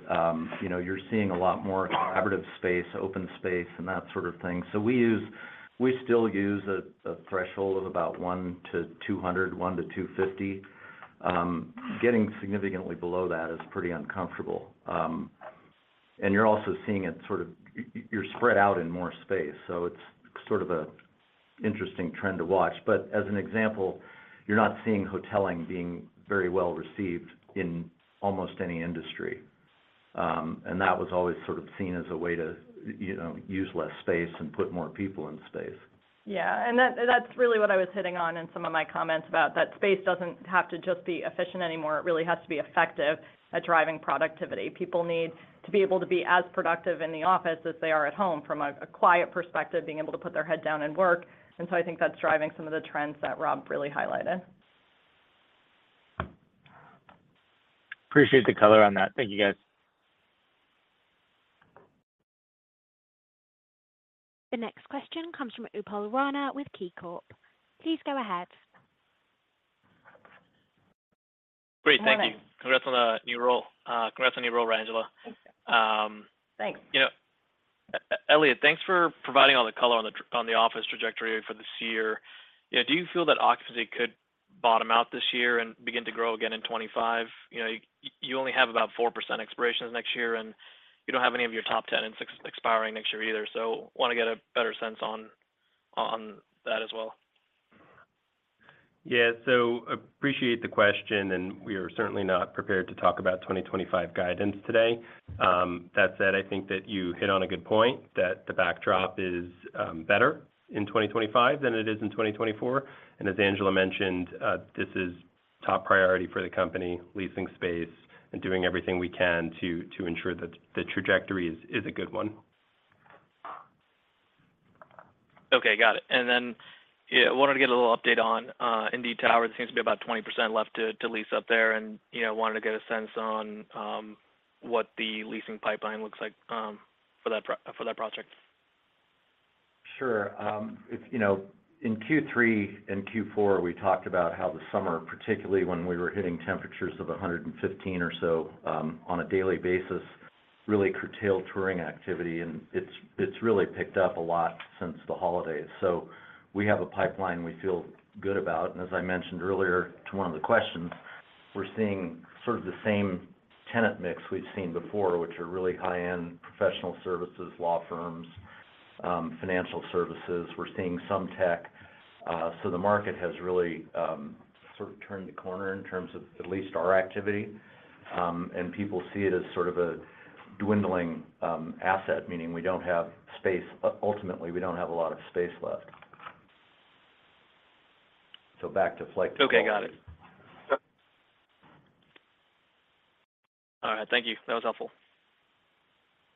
you know, you're seeing a lot more collaborative space, open space, and that sort of thing. So we use-- we still use a threshold of about 100-200, 100-250. Getting significantly below that is pretty uncomfortable. And you're also seeing it sort of-- you're spread out in more space, so it's sort of an interesting trend to watch. But as an example, you're not seeing hoteling being very well received in almost any industry. And that was always sort of seen as a way to, you know, use less space and put more people in space.... Yeah, and that's really what I was hitting on in some of my comments about that space doesn't have to just be efficient anymore. It really has to be effective at driving productivity. People need to be able to be as productive in the office as they are at home, from a quiet perspective, being able to put their head down and work. And so I think that's driving some of the trends that Rob really highlighted. Appreciate the color on that. Thank you, guys. The next question comes from Upal Rana with KeyCorp. Please go ahead. Great, thank you. Good morning. Congrats on the new role. Congrats on your role, Angela. Thanks. You know, Elliot, thanks for providing all the color on the office trajectory for this year. You know, do you feel that occupancy could bottom out this year and begin to grow again in 25? You know, you only have about 4% expirations next year, and you don't have any of your top ten expiring next year either. So want to get a better sense on that as well. Yeah. So appreciate the question, and we are certainly not prepared to talk about 2025 guidance today. That said, I think that you hit on a good point, that the backdrop is better in 2025 than it is in 2024. As Angela mentioned, this is top priority for the company, leasing space and doing everything we can to ensure that the trajectory is a good one. Okay, got it. And then, yeah, I wanted to get a little update on Indeed Tower. There seems to be about 20% left to lease up there, and, you know, wanted to get a sense on what the leasing pipeline looks like for that project. Sure. If, you know, in Q3 and Q4, we talked about how the summer, particularly when we were hitting temperatures of 115 degrees Fahrenheit or so, on a daily basis, really curtailed touring activity, and it's really picked up a lot since the holidays. So we have a pipeline we feel good about, and as I mentioned earlier to one of the questions, we're seeing sort of the same tenant mix we've seen before, which are really high-end professional services, law firms, financial services. We're seeing some tech, so the market has really sort of turned the corner in terms of at least our activity. And people see it as sort of a dwindling asset, meaning we don't have space- ultimately, we don't have a lot of space left. So back to flight to quality. Okay, got it. All right. Thank you. That was helpful.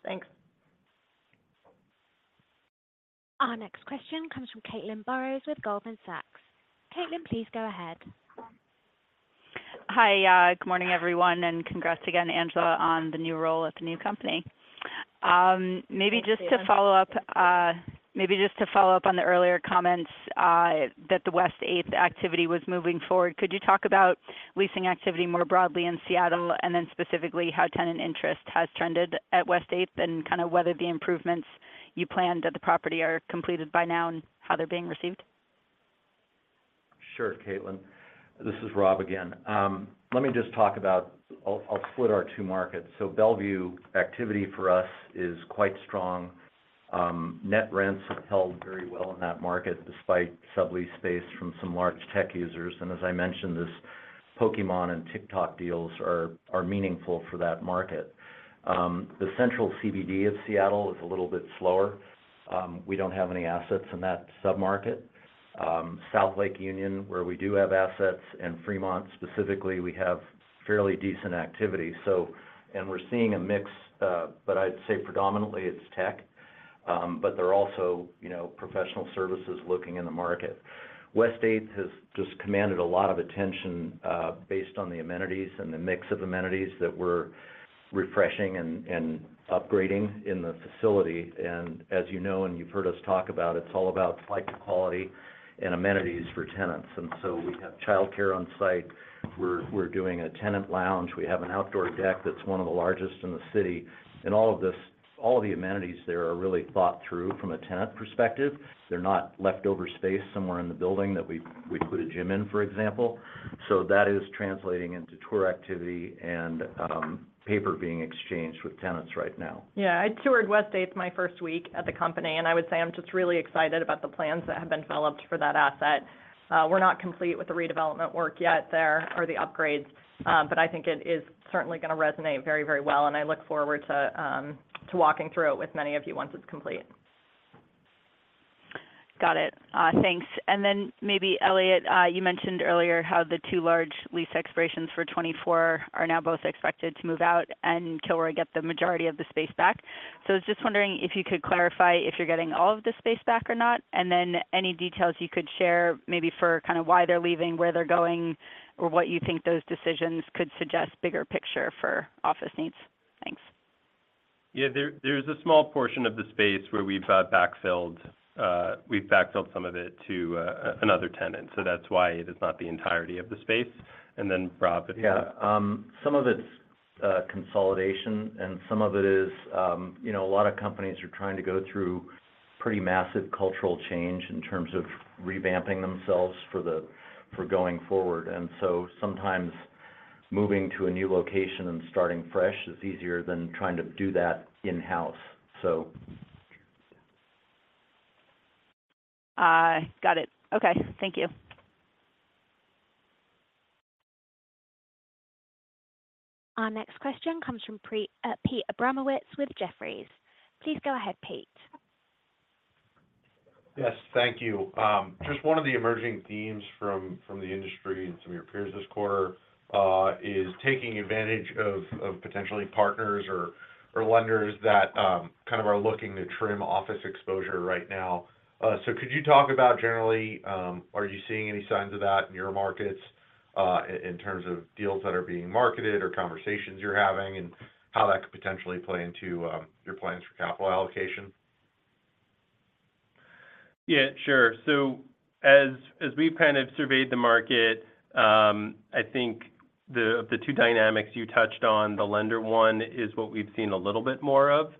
Thanks. Our next question comes from Caitlin Burrows with Goldman Sachs. Caitlin, please go ahead. Hi, good morning, everyone, and congrats again, Angela, on the new role at the new company. Maybe just to follow up on the earlier comments that the West 8th activity was moving forward. Could you talk about leasing activity more broadly in Seattle, and then specifically, how tenant interest has trended at West 8th, and kind of whether the improvements you planned at the property are completed by now and how they're being received? Sure, Caitlin. This is Rob again. Let me just talk about... I'll, I'll split our two markets. So Bellevue activity for us is quite strong. Net rents have held very well in that market, despite sublease space from some large tech users. And as I mentioned, this Pokémon and TikTok deals are, are meaningful for that market. The central CBD of Seattle is a little bit slower. We don't have any assets in that submarket. South Lake Union, where we do have assets, and Fremont specifically, we have fairly decent activity. So, and we're seeing a mix, but I'd say predominantly it's tech, but there are also, you know, professional services looking in the market. West 8th has just commanded a lot of attention, based on the amenities and the mix of amenities that we're refreshing and, and upgrading in the facility. As you know, and you've heard us talk about, it's all about flight to quality and amenities for tenants. So we have childcare on site. We're doing a tenant lounge. We have an outdoor deck that's one of the largest in the city. And all of this, all the amenities there are really thought through from a tenant perspective. They're not leftover space somewhere in the building that we put a gym in, for example. So that is translating into tour activity and paper being exchanged with tenants right now. Yeah, I toured West 8th my first week at the company, and I would say I'm just really excited about the plans that have been developed for that asset. We're not complete with the redevelopment work yet there or the upgrades, but I think it is certainly gonna resonate very, very well, and I look forward to walking through it with many of you once it's complete. Got it. Thanks. And then maybe, Elliot, you mentioned earlier how the two large lease expirations for 2024 are now both expected to move out and Kilroy will get the majority of the space back. So I was just wondering if you could clarify if you're getting all of the space back or not, and then any details you could share maybe for kind of why they're leaving, where they're going, or what you think those decisions could suggest bigger picture for office needs? Thanks. Yeah, there's a small portion of the space where we've backfilled some of it to another tenant, so that's why it is not the entirety of the space. And then, Rob, if you- Yeah. Some of it's consolidation and some of it is, you know, a lot of companies are trying to go through pretty massive cultural change in terms of revamping themselves for going forward. And so sometimes moving to a new location and starting fresh is easier than trying to do that in-house, so. Got it. Okay, thank you.... Our next question comes from Pete Abramowitz with Jefferies. Please go ahead, Pete. Yes, thank you. Just one of the emerging themes from the industry and some of your peers this quarter is taking advantage of potentially partners or lenders that kind of are looking to trim office exposure right now. So could you talk about generally, are you seeing any signs of that in your markets, in terms of deals that are being marketed or conversations you're having, and how that could potentially play into your plans for capital allocation? Yeah, sure. So as we've kind of surveyed the market, I think the two dynamics you touched on, the lender one is what we've seen a little bit more of.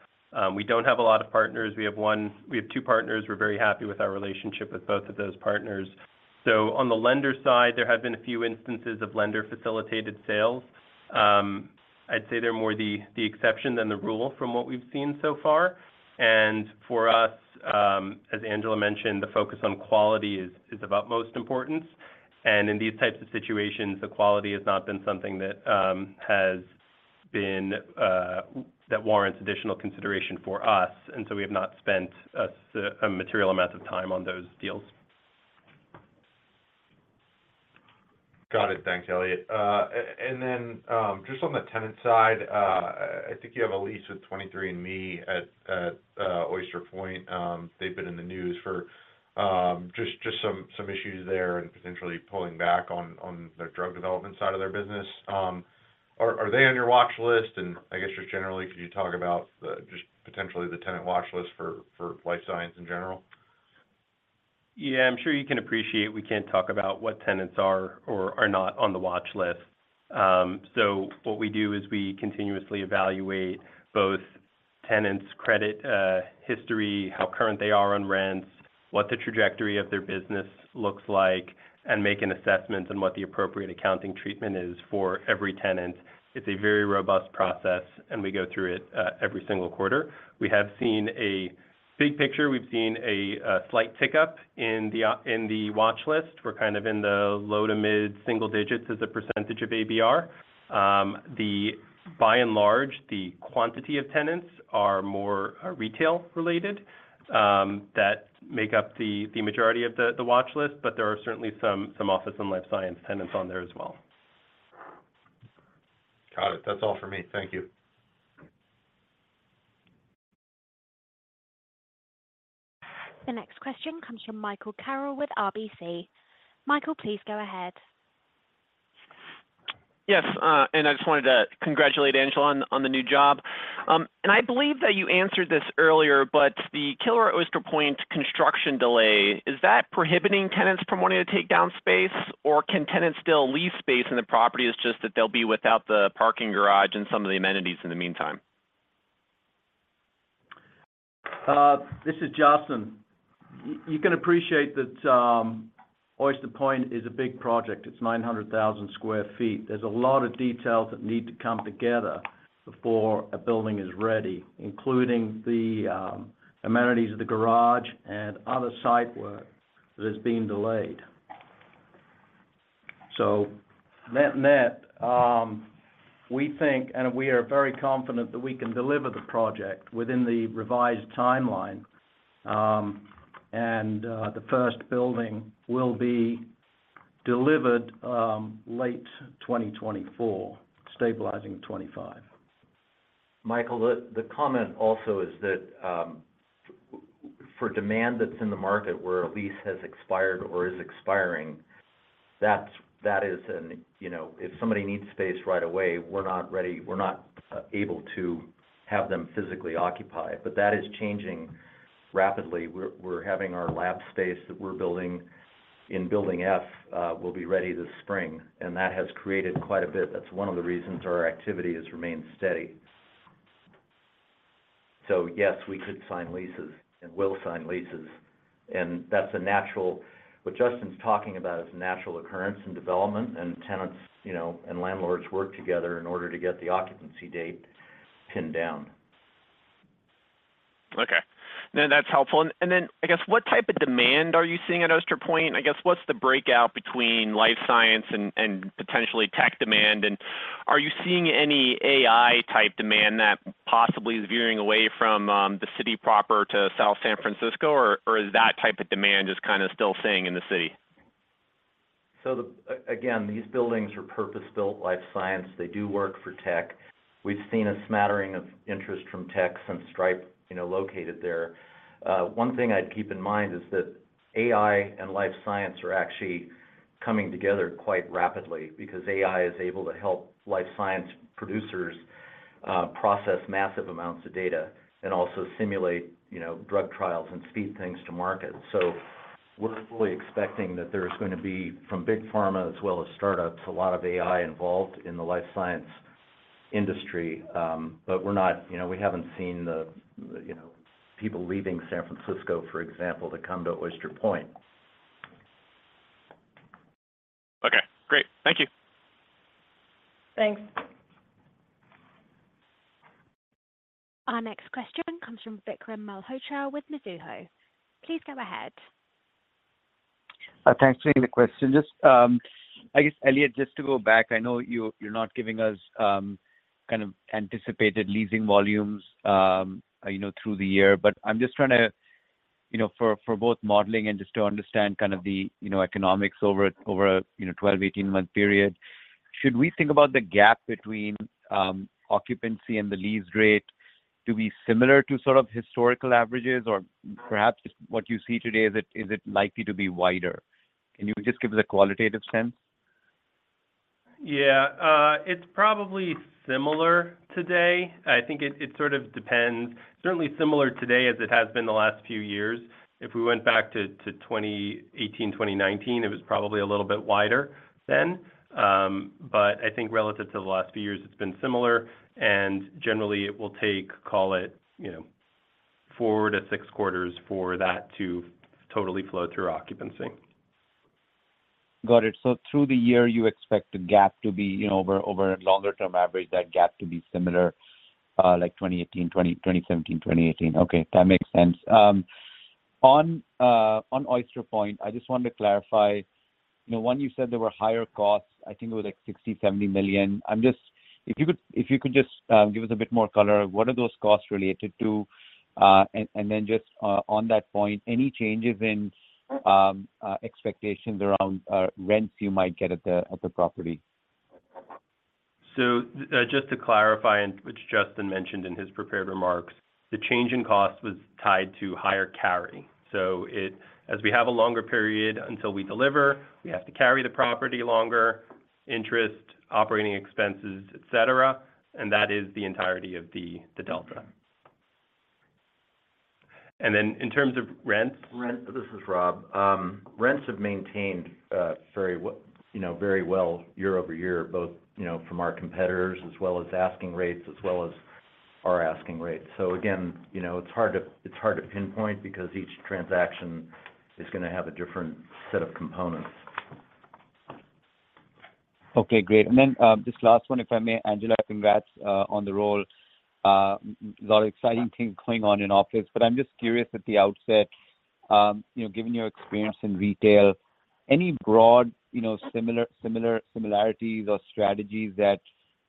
We don't have a lot of partners. We have one—We have two partners. We're very happy with our relationship with both of those partners. So on the lender side, there have been a few instances of lender-facilitated sales. I'd say they're more the exception than the rule from what we've seen so far. For us, as Angela mentioned, the focus on quality is of utmost importance. In these types of situations, the quality has not been something that has been that warrants additional consideration for us, and so we have not spent a material amount of time on those deals. Got it. Thanks, Elliot. And then, just on the tenant side, I think you have a lease with 23andMe at Oyster Point. They've been in the news for just some issues there and potentially pulling back on the drug development side of their business. Are they on your watch list? And I guess just generally, could you talk about just potentially the tenant watch list for life science in general? Yeah, I'm sure you can appreciate, we can't talk about what tenants are or are not on the watch list. So what we do is we continuously evaluate both tenants' credit history, how current they are on rents, what the trajectory of their business looks like, and make an assessment on what the appropriate accounting treatment is for every tenant. It's a very robust process, and we go through it every single quarter. We have seen a big picture. We've seen a slight tick-up in the watch list. We're kind of in the low- to mid-single digits% of ABR. By and large, the quantity of tenants are more retail related that make up the majority of the watch list, but there are certainly some office and life science tenants on there as well. Got it. That's all for me. Thank you. The next question comes from Michael Carroll with RBC. Michael, please go ahead. Yes, and I just wanted to congratulate Angela on the new job. I believe that you answered this earlier, but the Kilroy Oyster Point construction delay, is that prohibiting tenants from wanting to take down space, or can tenants still lease space, and the property is just that they'll be without the parking garage and some of the amenities in the meantime? This is Justin. You can appreciate that, Oyster Point is a big project. It's 900,000 sq ft. There's a lot of details that need to come together before a building is ready, including the amenities of the garage and other site work that is being delayed. So net-net, we think, and we are very confident that we can deliver the project within the revised timeline, and the first building will be delivered late 2024, stabilizing in 2025. Michael, the comment also is that, for demand that's in the market where a lease has expired or is expiring, that's, that is an... You know, if somebody needs space right away, we're not ready, we're not able to have them physically occupy. But that is changing rapidly. We're having our lab space that we're building in Building F will be ready this spring, and that has created quite a bit. That's one of the reasons our activity has remained steady. So yes, we could sign leases and will sign leases, and that's a natural. What Justin's talking about is a natural occurrence in development, and tenants, you know, and landlords work together in order to get the occupancy date pinned down. Okay. Then that's helpful. And then, I guess, what type of demand are you seeing at Oyster Point? I guess, what's the breakout between life science and potentially tech demand? And are you seeing any AI-type demand that possibly is veering away from the city proper to South San Francisco, or is that type of demand just kind of still staying in the city? These buildings are purpose-built life science. They do work for tech. We've seen a smattering of interest from tech since Stripe, you know, located there. One thing I'd keep in mind is that AI and life science are actually coming together quite rapidly because AI is able to help life science producers process massive amounts of data and also simulate, you know, drug trials and speed things to market. So we're fully expecting that there's gonna be, from big pharma as well as startups, a lot of AI involved in the life science industry. But we're not... You know, we haven't seen the, you know, people leaving San Francisco, for example, to come to Oyster Point. Okay, great. Thank you. Thanks.... Our next question comes from Vikram Malhotra with Mizuho. Please go ahead. Thanks for taking the question. Just, I guess, Elliot, just to go back, I know you're not giving us kind of anticipated leasing volumes, you know, through the year. But I'm just trying to, you know, for both modeling and just to understand kind of the, you know, economics over a 12, 18-month period. Should we think about the gap between occupancy and the lease rate to be similar to sort of historical averages? Or perhaps what you see today, is it likely to be wider? Can you just give us a qualitative sense? Yeah, it's probably similar today. I think it sort of depends. Certainly similar today as it has been the last few years. If we went back to 2018, 2019, it was probably a little bit wider then. But I think relative to the last few years, it's been similar, and generally it will take, call it, you know, four to six quarters for that to totally flow through occupancy. Got it. So through the year, you expect the gap to be, you know, over a longer-term average, that gap to be similar, like 2018, 2017, 2018. Okay, that makes sense. On Oyster Point, I just wanted to clarify, you know, when you said there were higher costs, I think it was like $60 million-$70 million. If you could, if you could just give us a bit more color, what are those costs related to? And then just on that point, any changes in expectations around rents you might get at the property? So, just to clarify, and which Justin mentioned in his prepared remarks, the change in cost was tied to higher carry. So, as we have a longer period until we deliver, we have to carry the property longer, interest, operating expenses, et cetera, and that is the entirety of the delta. And then in terms of rents- Rent, this is Rob. Rents have maintained very well, you know, very well year over year, both, you know, from our competitors, as well as asking rates, as well as our asking rates. So again, you know, it's hard to pinpoint because each transaction is gonna have a different set of components. Okay, great. And then, just last one, if I may. Angela, congrats, on the role. A lot of exciting things going on in office. But I'm just curious at the outset, you know, given your experience in retail, any broad, you know, similar, similar, similarities or strategies that,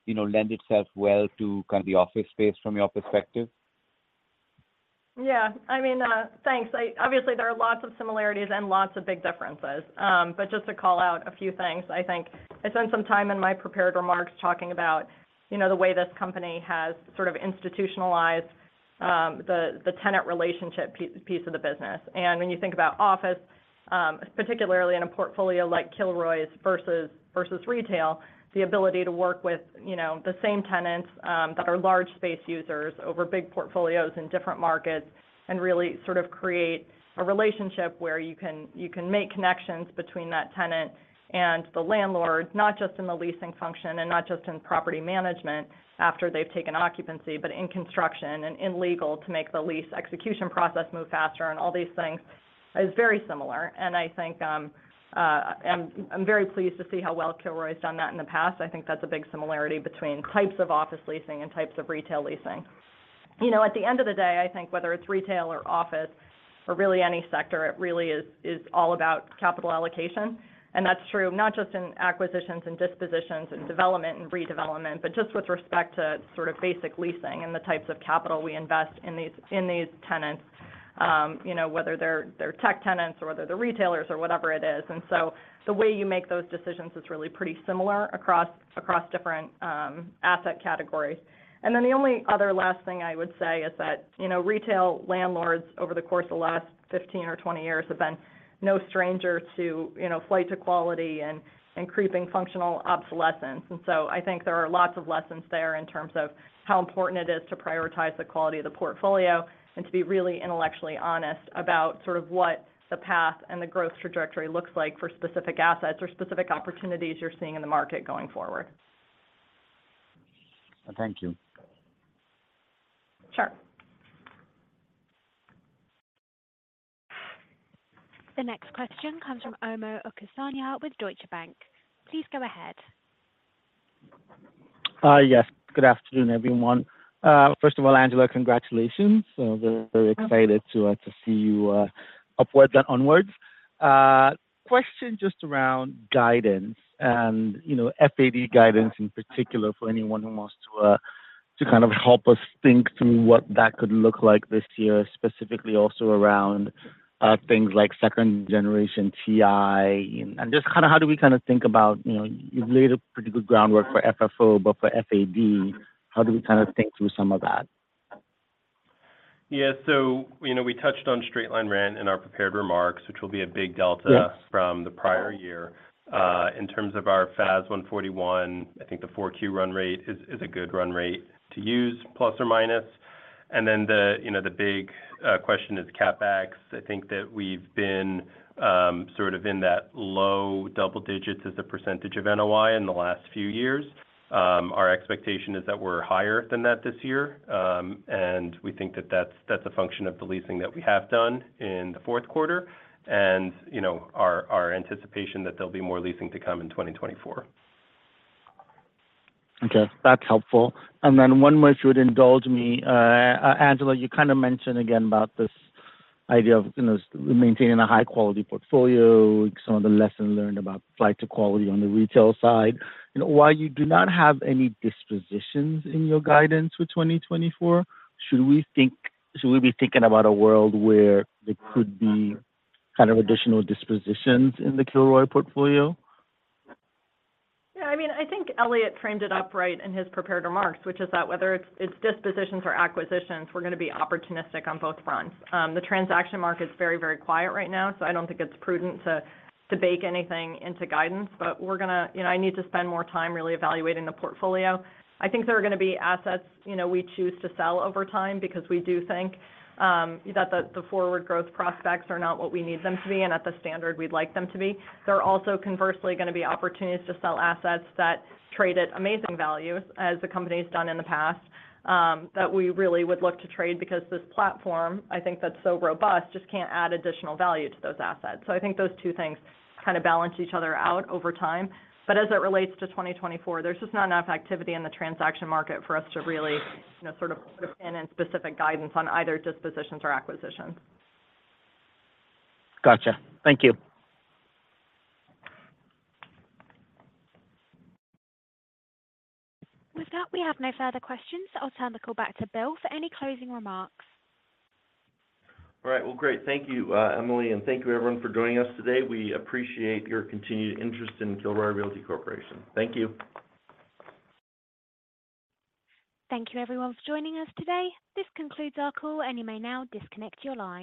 you know, lend itself well to kind of the office space from your perspective? Yeah. I mean, thanks. I obviously, there are lots of similarities and lots of big differences. But just to call out a few things, I think I spent some time in my prepared remarks talking about, you know, the way this company has sort of institutionalized the tenant relationship piece of the business. And when you think about office, particularly in a portfolio like Kilroy's versus retail, the ability to work with, you know, the same tenants that are large space users over big portfolios in different markets, and really sort of create a relationship where you can make connections between that tenant and the landlord, not just in the leasing function and not just in property management after they've taken occupancy, but in construction and in legal, to make the lease execution process move faster and all these things, is very similar. And I think, I'm very pleased to see how well Kilroy's done that in the past. I think that's a big similarity between types of office leasing and types of retail leasing. You know, at the end of the day, I think whether it's retail or office or really any sector, it really is all about capital allocation. And that's true not just in acquisitions and dispositions and development and redevelopment, but just with respect to sort of basic leasing and the types of capital we invest in these tenants, you know, whether they're tech tenants or whether they're retailers or whatever it is. And so the way you make those decisions is really pretty similar across different asset categories. And then the only other last thing I would say is that, you know, retail landlords, over the course of the last 15 or 20 years, have been no stranger to, you know, flight to quality and creeping functional obsolescence. I think there are lots of lessons there in terms of how important it is to prioritize the quality of the portfolio and to be really intellectually honest about sort of what the path and the growth trajectory looks like for specific assets or specific opportunities you're seeing in the market going forward. Thank you. Sure. The next question comes from Omotayo Okusanya with Deutsche Bank. Please go ahead. Yes. Good afternoon, everyone. First of all, Angela, congratulations. So very excited to see you upwards and onwards. Question just around guidance and, you know, FAD guidance in particular, for anyone who wants to kind of help us think through what that could look like this year, specifically also around things like second-generation TI. And just kinda how do we kinda think about, you know, you've laid a pretty good groundwork for FFO, but for FAD, how do we kinda think through some of that? Yeah. So, you know, we touched on straight-line rent in our prepared remarks, which will be a big delta- Yeah... from the prior year. In terms of our FAS 141, I think the 4Q run rate is a good run rate to use, plus or minus. And then, you know, the big question is CapEx. I think that we've been sort of in that low double digits as a percentage of NOI in the last few years. Our expectation is that we're higher than that this year, and we think that that's a function of the leasing that we have done in the fourth quarter, and, you know, our anticipation that there'll be more leasing to come in 2024.... Okay, that's helpful. And then one more, if you would indulge me. Angela, you kind of mentioned again about this idea of, you know, maintaining a high-quality portfolio, some of the lessons learned about flight to quality on the retail side. You know, while you do not have any dispositions in your guidance for 2024, should we think—should we be thinking about a world where there could be kind of additional dispositions in the Kilroy portfolio? Yeah, I mean, I think Elliot framed it up right in his prepared remarks, which is that whether it's dispositions or acquisitions, we're going to be opportunistic on both fronts. The transaction market is very, very quiet right now, so I don't think it's prudent to bake anything into guidance. But we're gonna... You know, I need to spend more time really evaluating the portfolio. I think there are going to be assets, you know, we choose to sell over time because we do think that the forward growth prospects are not what we need them to be and at the standard we'd like them to be. There are also, conversely, going to be opportunities to sell assets that trade at amazing value, as the company's done in the past, that we really would look to trade because this platform, I think that's so robust, just can't add additional value to those assets. So I think those two things kind of balance each other out over time. But as it relates to 2024, there's just not enough activity in the transaction market for us to really, you know, sort of put a pin in specific guidance on either dispositions or acquisitions. Gotcha. Thank you. With that, we have no further questions. I'll turn the call back to Bill for any closing remarks. All right. Well, great. Thank you, Emily, and thank you, everyone, for joining us today. We appreciate your continued interest in Kilroy Realty Corporation. Thank you. Thank you, everyone, for joining us today. This concludes our call, and you may now disconnect your line.